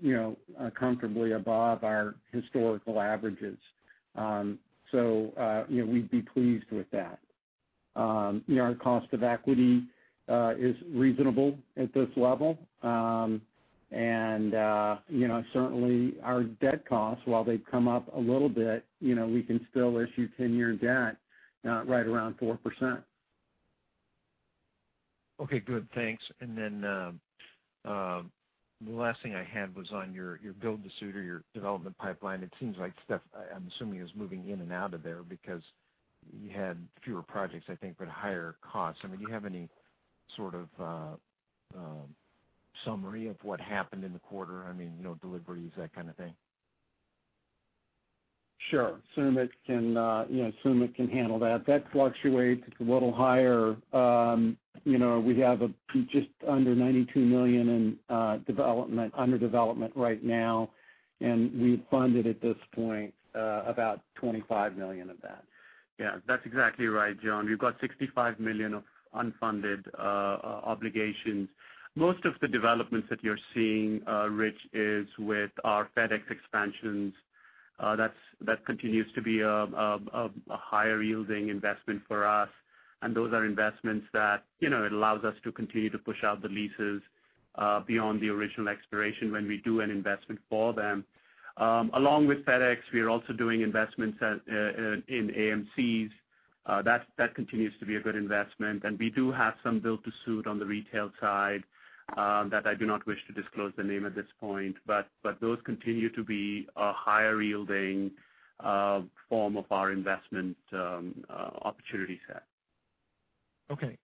comfortably above our historical averages. We'd be pleased with that. Our cost of equity is reasonable at this level. Certainly our debt costs, while they've come up a little bit, we can still issue 10-year debt right around 4%. Okay, good. Thanks. The last thing I had was on your build-to-suit or your development pipeline. It seems like stuff, I'm assuming, is moving in and out of there because you had fewer projects, I think, but higher costs. Do you have any sort of summary of what happened in the quarter? Deliveries, that kind of thing. Sure. Sumit can handle that. That fluctuates. It's a little higher. We have just under $92 million under development right now, and we've funded, at this point, about $25 million of that. Yeah. That's exactly right, John. We've got $65 million of unfunded obligations. Most of the developments that you're seeing, Rich, is with our FedEx expansions. That continues to be a higher-yielding investment for us, and those are investments that it allows us to continue to push out the leases beyond the original expiration when we do an investment for them. Along with FedEx, we are also doing investments in AMC. That continues to be a good investment. We do have some build-to-suit on the retail side that I do not wish to disclose the name at this point, those continue to be a higher-yielding form of our investment opportunity set. Okay.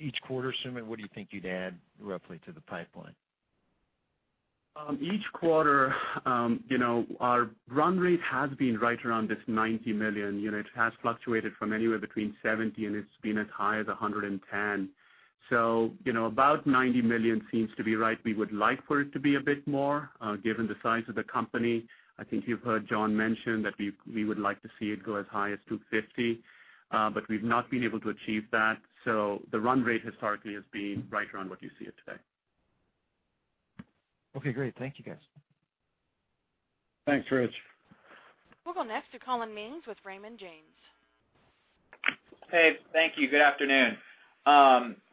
Each quarter, Sumit, what do you think you'd add roughly to the pipeline? Each quarter, our run rate has been right around this $90 million. It has fluctuated from anywhere between $70 million, and it's been as high as $110 million. About $90 million seems to be right. We would like for it to be a bit more, given the size of the company. I think you've heard John mention that we would like to see it go as high as $250 million, but we've not been able to achieve that. The run rate historically has been right around what you see it today. Okay, great. Thank you, guys. Thanks, Rich. We'll go next to Collin Mings with Raymond James. Hey, thank you. Good afternoon.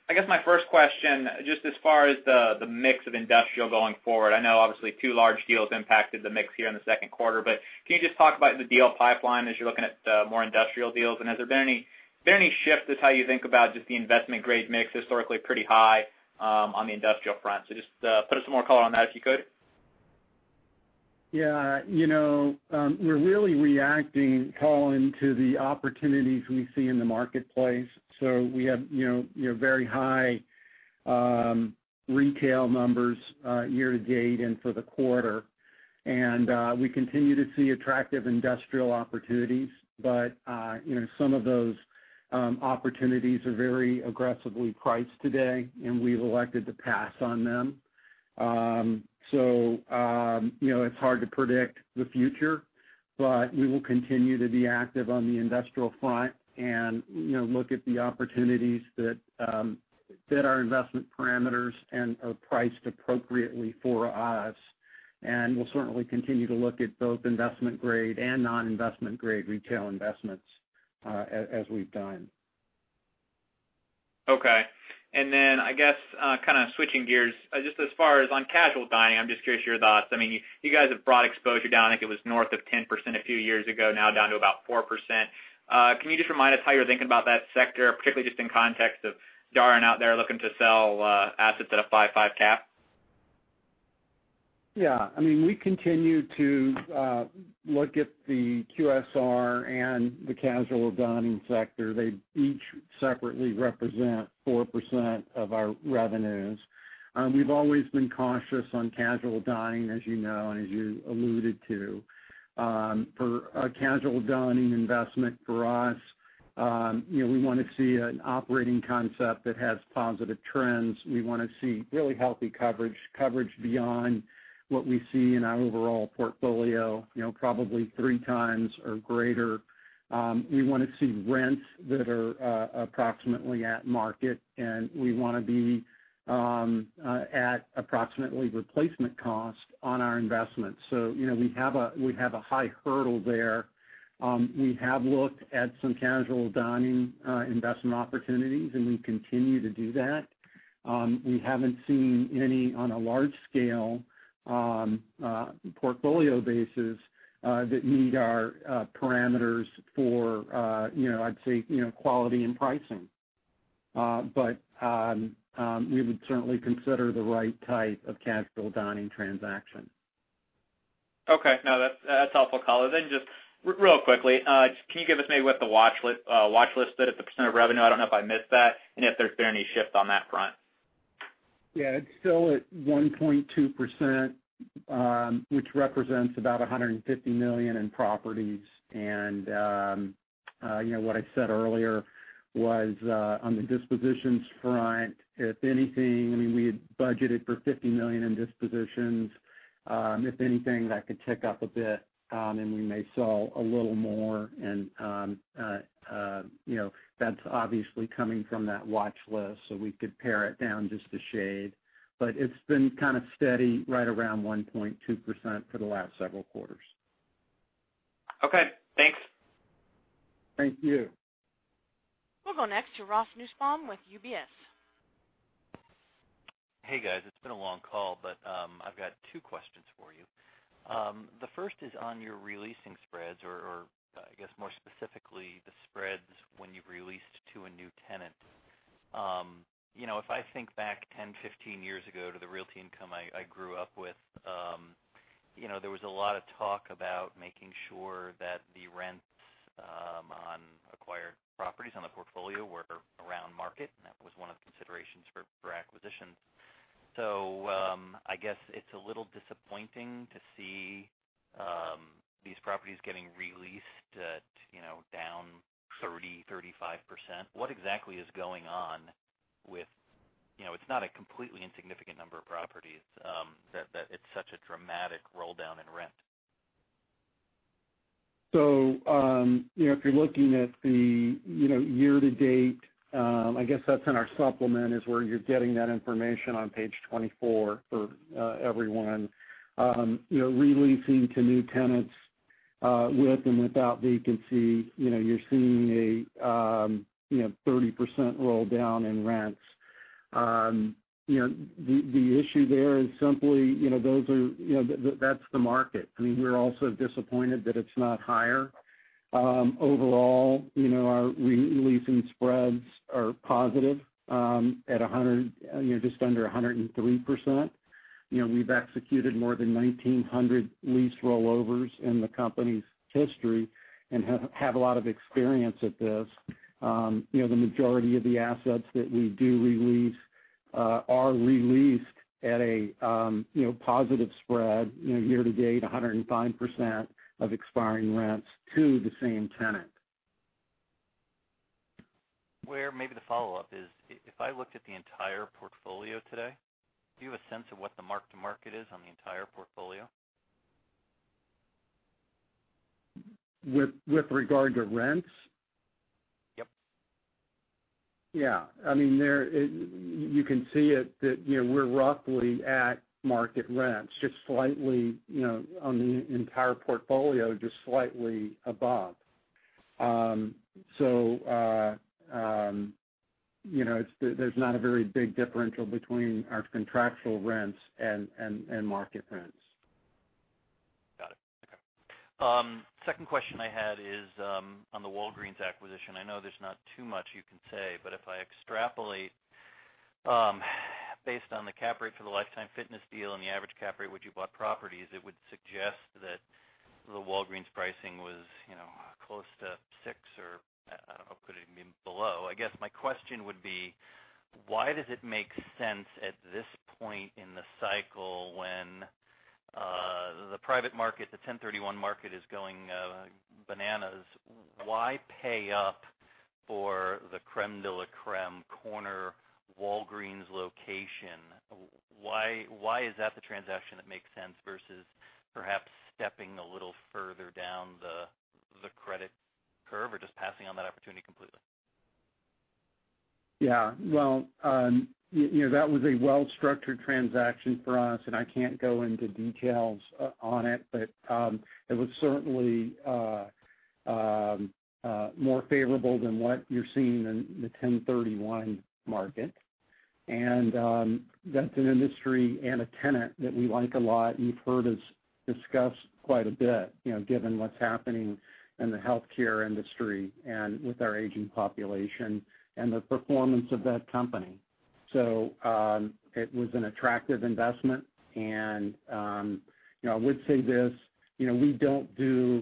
I guess my first question, just as far as the mix of industrial going forward. I know obviously 2 large deals impacted the mix here in the second quarter, but can you just talk about the deal pipeline as you're looking at more industrial deals? Has there been any shift to how you think about just the investment-grade mix historically pretty high on the industrial front? Just put some more color on that, if you could. Yeah. We're really reacting, Collin, to the opportunities we see in the marketplace. We have very high retail numbers year-to-date and for the quarter. We continue to see attractive industrial opportunities. Some of those opportunities are very aggressively priced today, and we've elected to pass on them. It's hard to predict the future, but we will continue to be active on the industrial front and look at the opportunities that fit our investment parameters and are priced appropriately for us. We'll certainly continue to look at both investment-grade and non-investment grade retail investments as we've done. Okay. I guess kind of switching gears, just as far as on casual dining, I'm just curious your thoughts. You guys have brought exposure down. I think it was north of 10% a few years ago, now down to about 4%. Can you just remind us how you're thinking about that sector, particularly just in context of Darden Restaurants out there looking to sell assets at a 5.5 cap? Yeah. We continue to look at the QSR and the casual dining sector. They each separately represent 4% of our revenues. We've always been cautious on casual dining, as you know, and as you alluded to. For a casual dining investment for us, we want to see an operating concept that has positive trends. We want to see really healthy coverage beyond what we see in our overall portfolio, probably three times or greater. We want to see rents that are approximately at market, and we want to be at approximately replacement cost on our investment. We have a high hurdle there. We have looked at some casual dining investment opportunities, and we continue to do that. We haven't seen any on a large-scale portfolio basis that meet our parameters for, I'd say, quality and pricing. We would certainly consider the right type of casual dining transaction. Okay. No, that's helpful color. Just real quickly, can you give us maybe what the watchlist bit of the % of revenue? I don't know if I missed that, and if there's been any shift on that front. Yeah, it's still at 1.2%, which represents about $150 million in properties. What I said earlier was, on the dispositions front, if anything, we had budgeted for $50 million in dispositions. If anything, that could tick up a bit, and we may sell a little more, and that's obviously coming from that watchlist, so we could pare it down just a shade. It's been kind of steady right around 1.2% for the last several quarters. Okay, thanks. Thank you. We'll go next to Ross Nussbaum with UBS. Hey, guys. It's been a long call, I've got two questions for you. The first is on your re-leasing spreads or, I guess more specifically, the spreads when you've re-leased to a new tenant. If I think back 10, 15 years ago to the Realty Income I grew up with, there was a lot of talk about making sure that the rents on acquired properties on the portfolio were around market, and that was one of the considerations for acquisition. I guess it's a little disappointing to see these properties getting re-leased at down 30%-35%. What exactly is going on with It's not a completely insignificant number of properties, that it's such a dramatic roll down in rent. If you're looking at the year-to-date, I guess that's in our supplement is where you're getting that information on page 24 for everyone. Re-leasing to new tenants, with and without vacancy, you're seeing a 30% roll down in rents. The issue there is simply, that's the market. We're also disappointed that it's not higher. Overall, our re-leasing spreads are positive at just under 103%. We've executed more than 1,900 lease rollovers in the company's history and have had a lot of experience at this. The majority of the assets that we do re-lease are re-leased at a positive spread, year-to-date, 105% of expiring rents to the same tenant. Where maybe the follow-up is, if I looked at the entire portfolio today, do you have a sense of what the mark-to-market is on the entire portfolio? With regard to rents? Yep. Yeah. You can see it that we're roughly at market rents, just slightly on the entire portfolio, just slightly above. There's not a very big differential between our contractual rents and market rents. Got it. Okay. Second question I had is on the Walgreens acquisition. I know there's not too much you can say, but if I extrapolate based on the cap rate for the Life Time Fitness deal and the average cap rate, which you bought properties, it would suggest that the Walgreens pricing was close to six or, I don't know, could even be below. I guess my question would be, why does it make sense at this point in the cycle when the private market, the 1031 market, is going bananas, why pay up for the crème de la crème corner Walgreens location? Why is that the transaction that makes sense versus perhaps stepping a little further down the credit curve or just passing on that opportunity completely? Yeah. That was a well-structured transaction for us, and I can't go into details on it. It was certainly more favorable than what you're seeing in the 1031 market. That's an industry and a tenant that we like a lot, and you've heard us discuss quite a bit, given what's happening in the healthcare industry and with our aging population and the performance of that company. It was an attractive investment, and I would say this, we don't do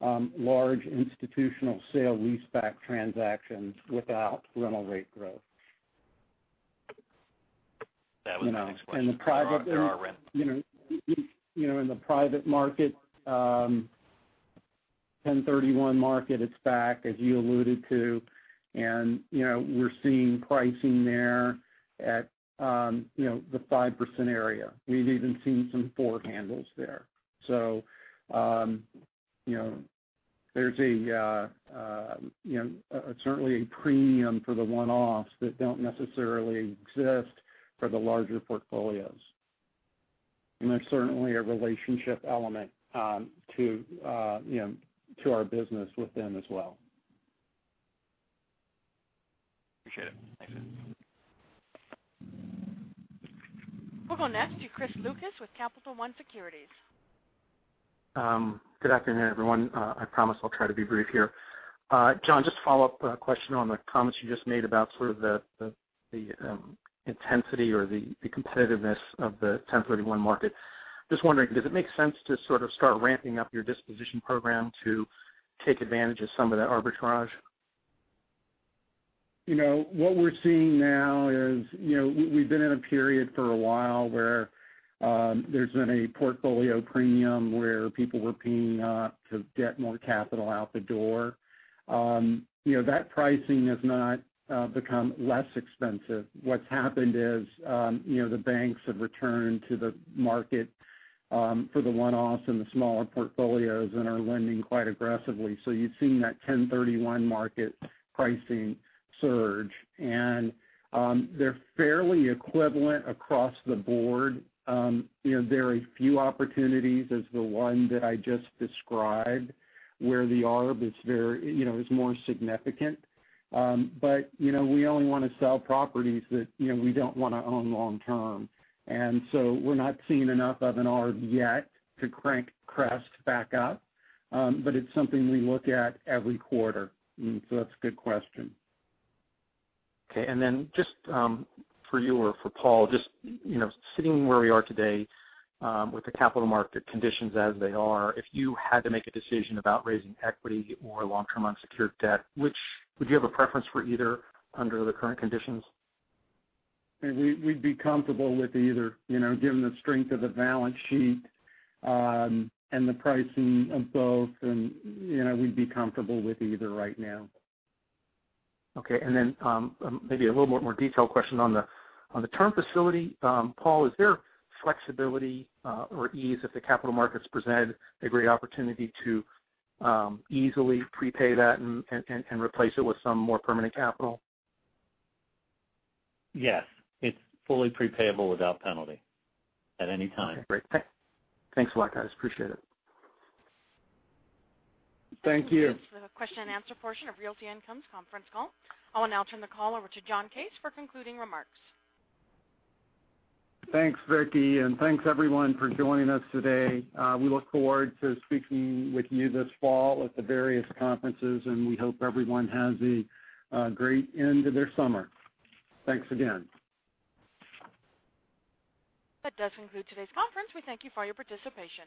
large institutional sale-leaseback transactions without rental rate growth. That was the next question. In the private market, 1031 market, it's back, as you alluded to, and we're seeing pricing there at the 5% area. We've even seen some four handles there. There's certainly a premium for the one-offs that don't necessarily exist for the larger portfolios. There's certainly a relationship element to our business with them as well. Appreciate it. Thanks. We'll go next to Chris Lucas with Capital One Securities. Good afternoon, everyone. I promise I'll try to be brief here. John, just a follow-up question on the comments you just made about the intensity or the competitiveness of the 1031 market. Just wondering, does it make sense to start ramping up your disposition program to take advantage of some of that arbitrage? What we're seeing now is we've been in a period for a while where there's been a portfolio premium where people were paying up to get more capital out the door. That pricing has not become less expensive. What's happened is the banks have returned to the market for the one-offs and the smaller portfolios and are lending quite aggressively. You're seeing that 1031 market pricing surge, and they're fairly equivalent across the board. There are a few opportunities as the one that I just described, where the arb is more significant. We only want to sell properties that we don't want to own long-term. We're not seeing enough of an arb yet to crank CREST back up. It's something we look at every quarter. That's a good question. Just for you or for Paul, just sitting where we are today with the capital market conditions as they are, if you had to make a decision about raising equity or long-term unsecured debt, would you have a preference for either under the current conditions? We'd be comfortable with either. Given the strength of the balance sheet and the pricing of both, we'd be comfortable with either right now. Okay, maybe a little more detailed question on the term facility. Paul, is there flexibility or ease if the capital markets present a great opportunity to easily prepay that and replace it with some more permanent capital? Yes. It's fully pre-payable without penalty at any time. Great. Thanks a lot, guys. Appreciate it. Thank you. That concludes the question and answer portion of Realty Income's conference call. I will now turn the call over to John Case for concluding remarks. Thanks, Vicki, and thanks everyone for joining us today. We look forward to speaking with you this fall at the various conferences, and we hope everyone has a great end to their summer. Thanks again. That does conclude today's conference. We thank you for your participation.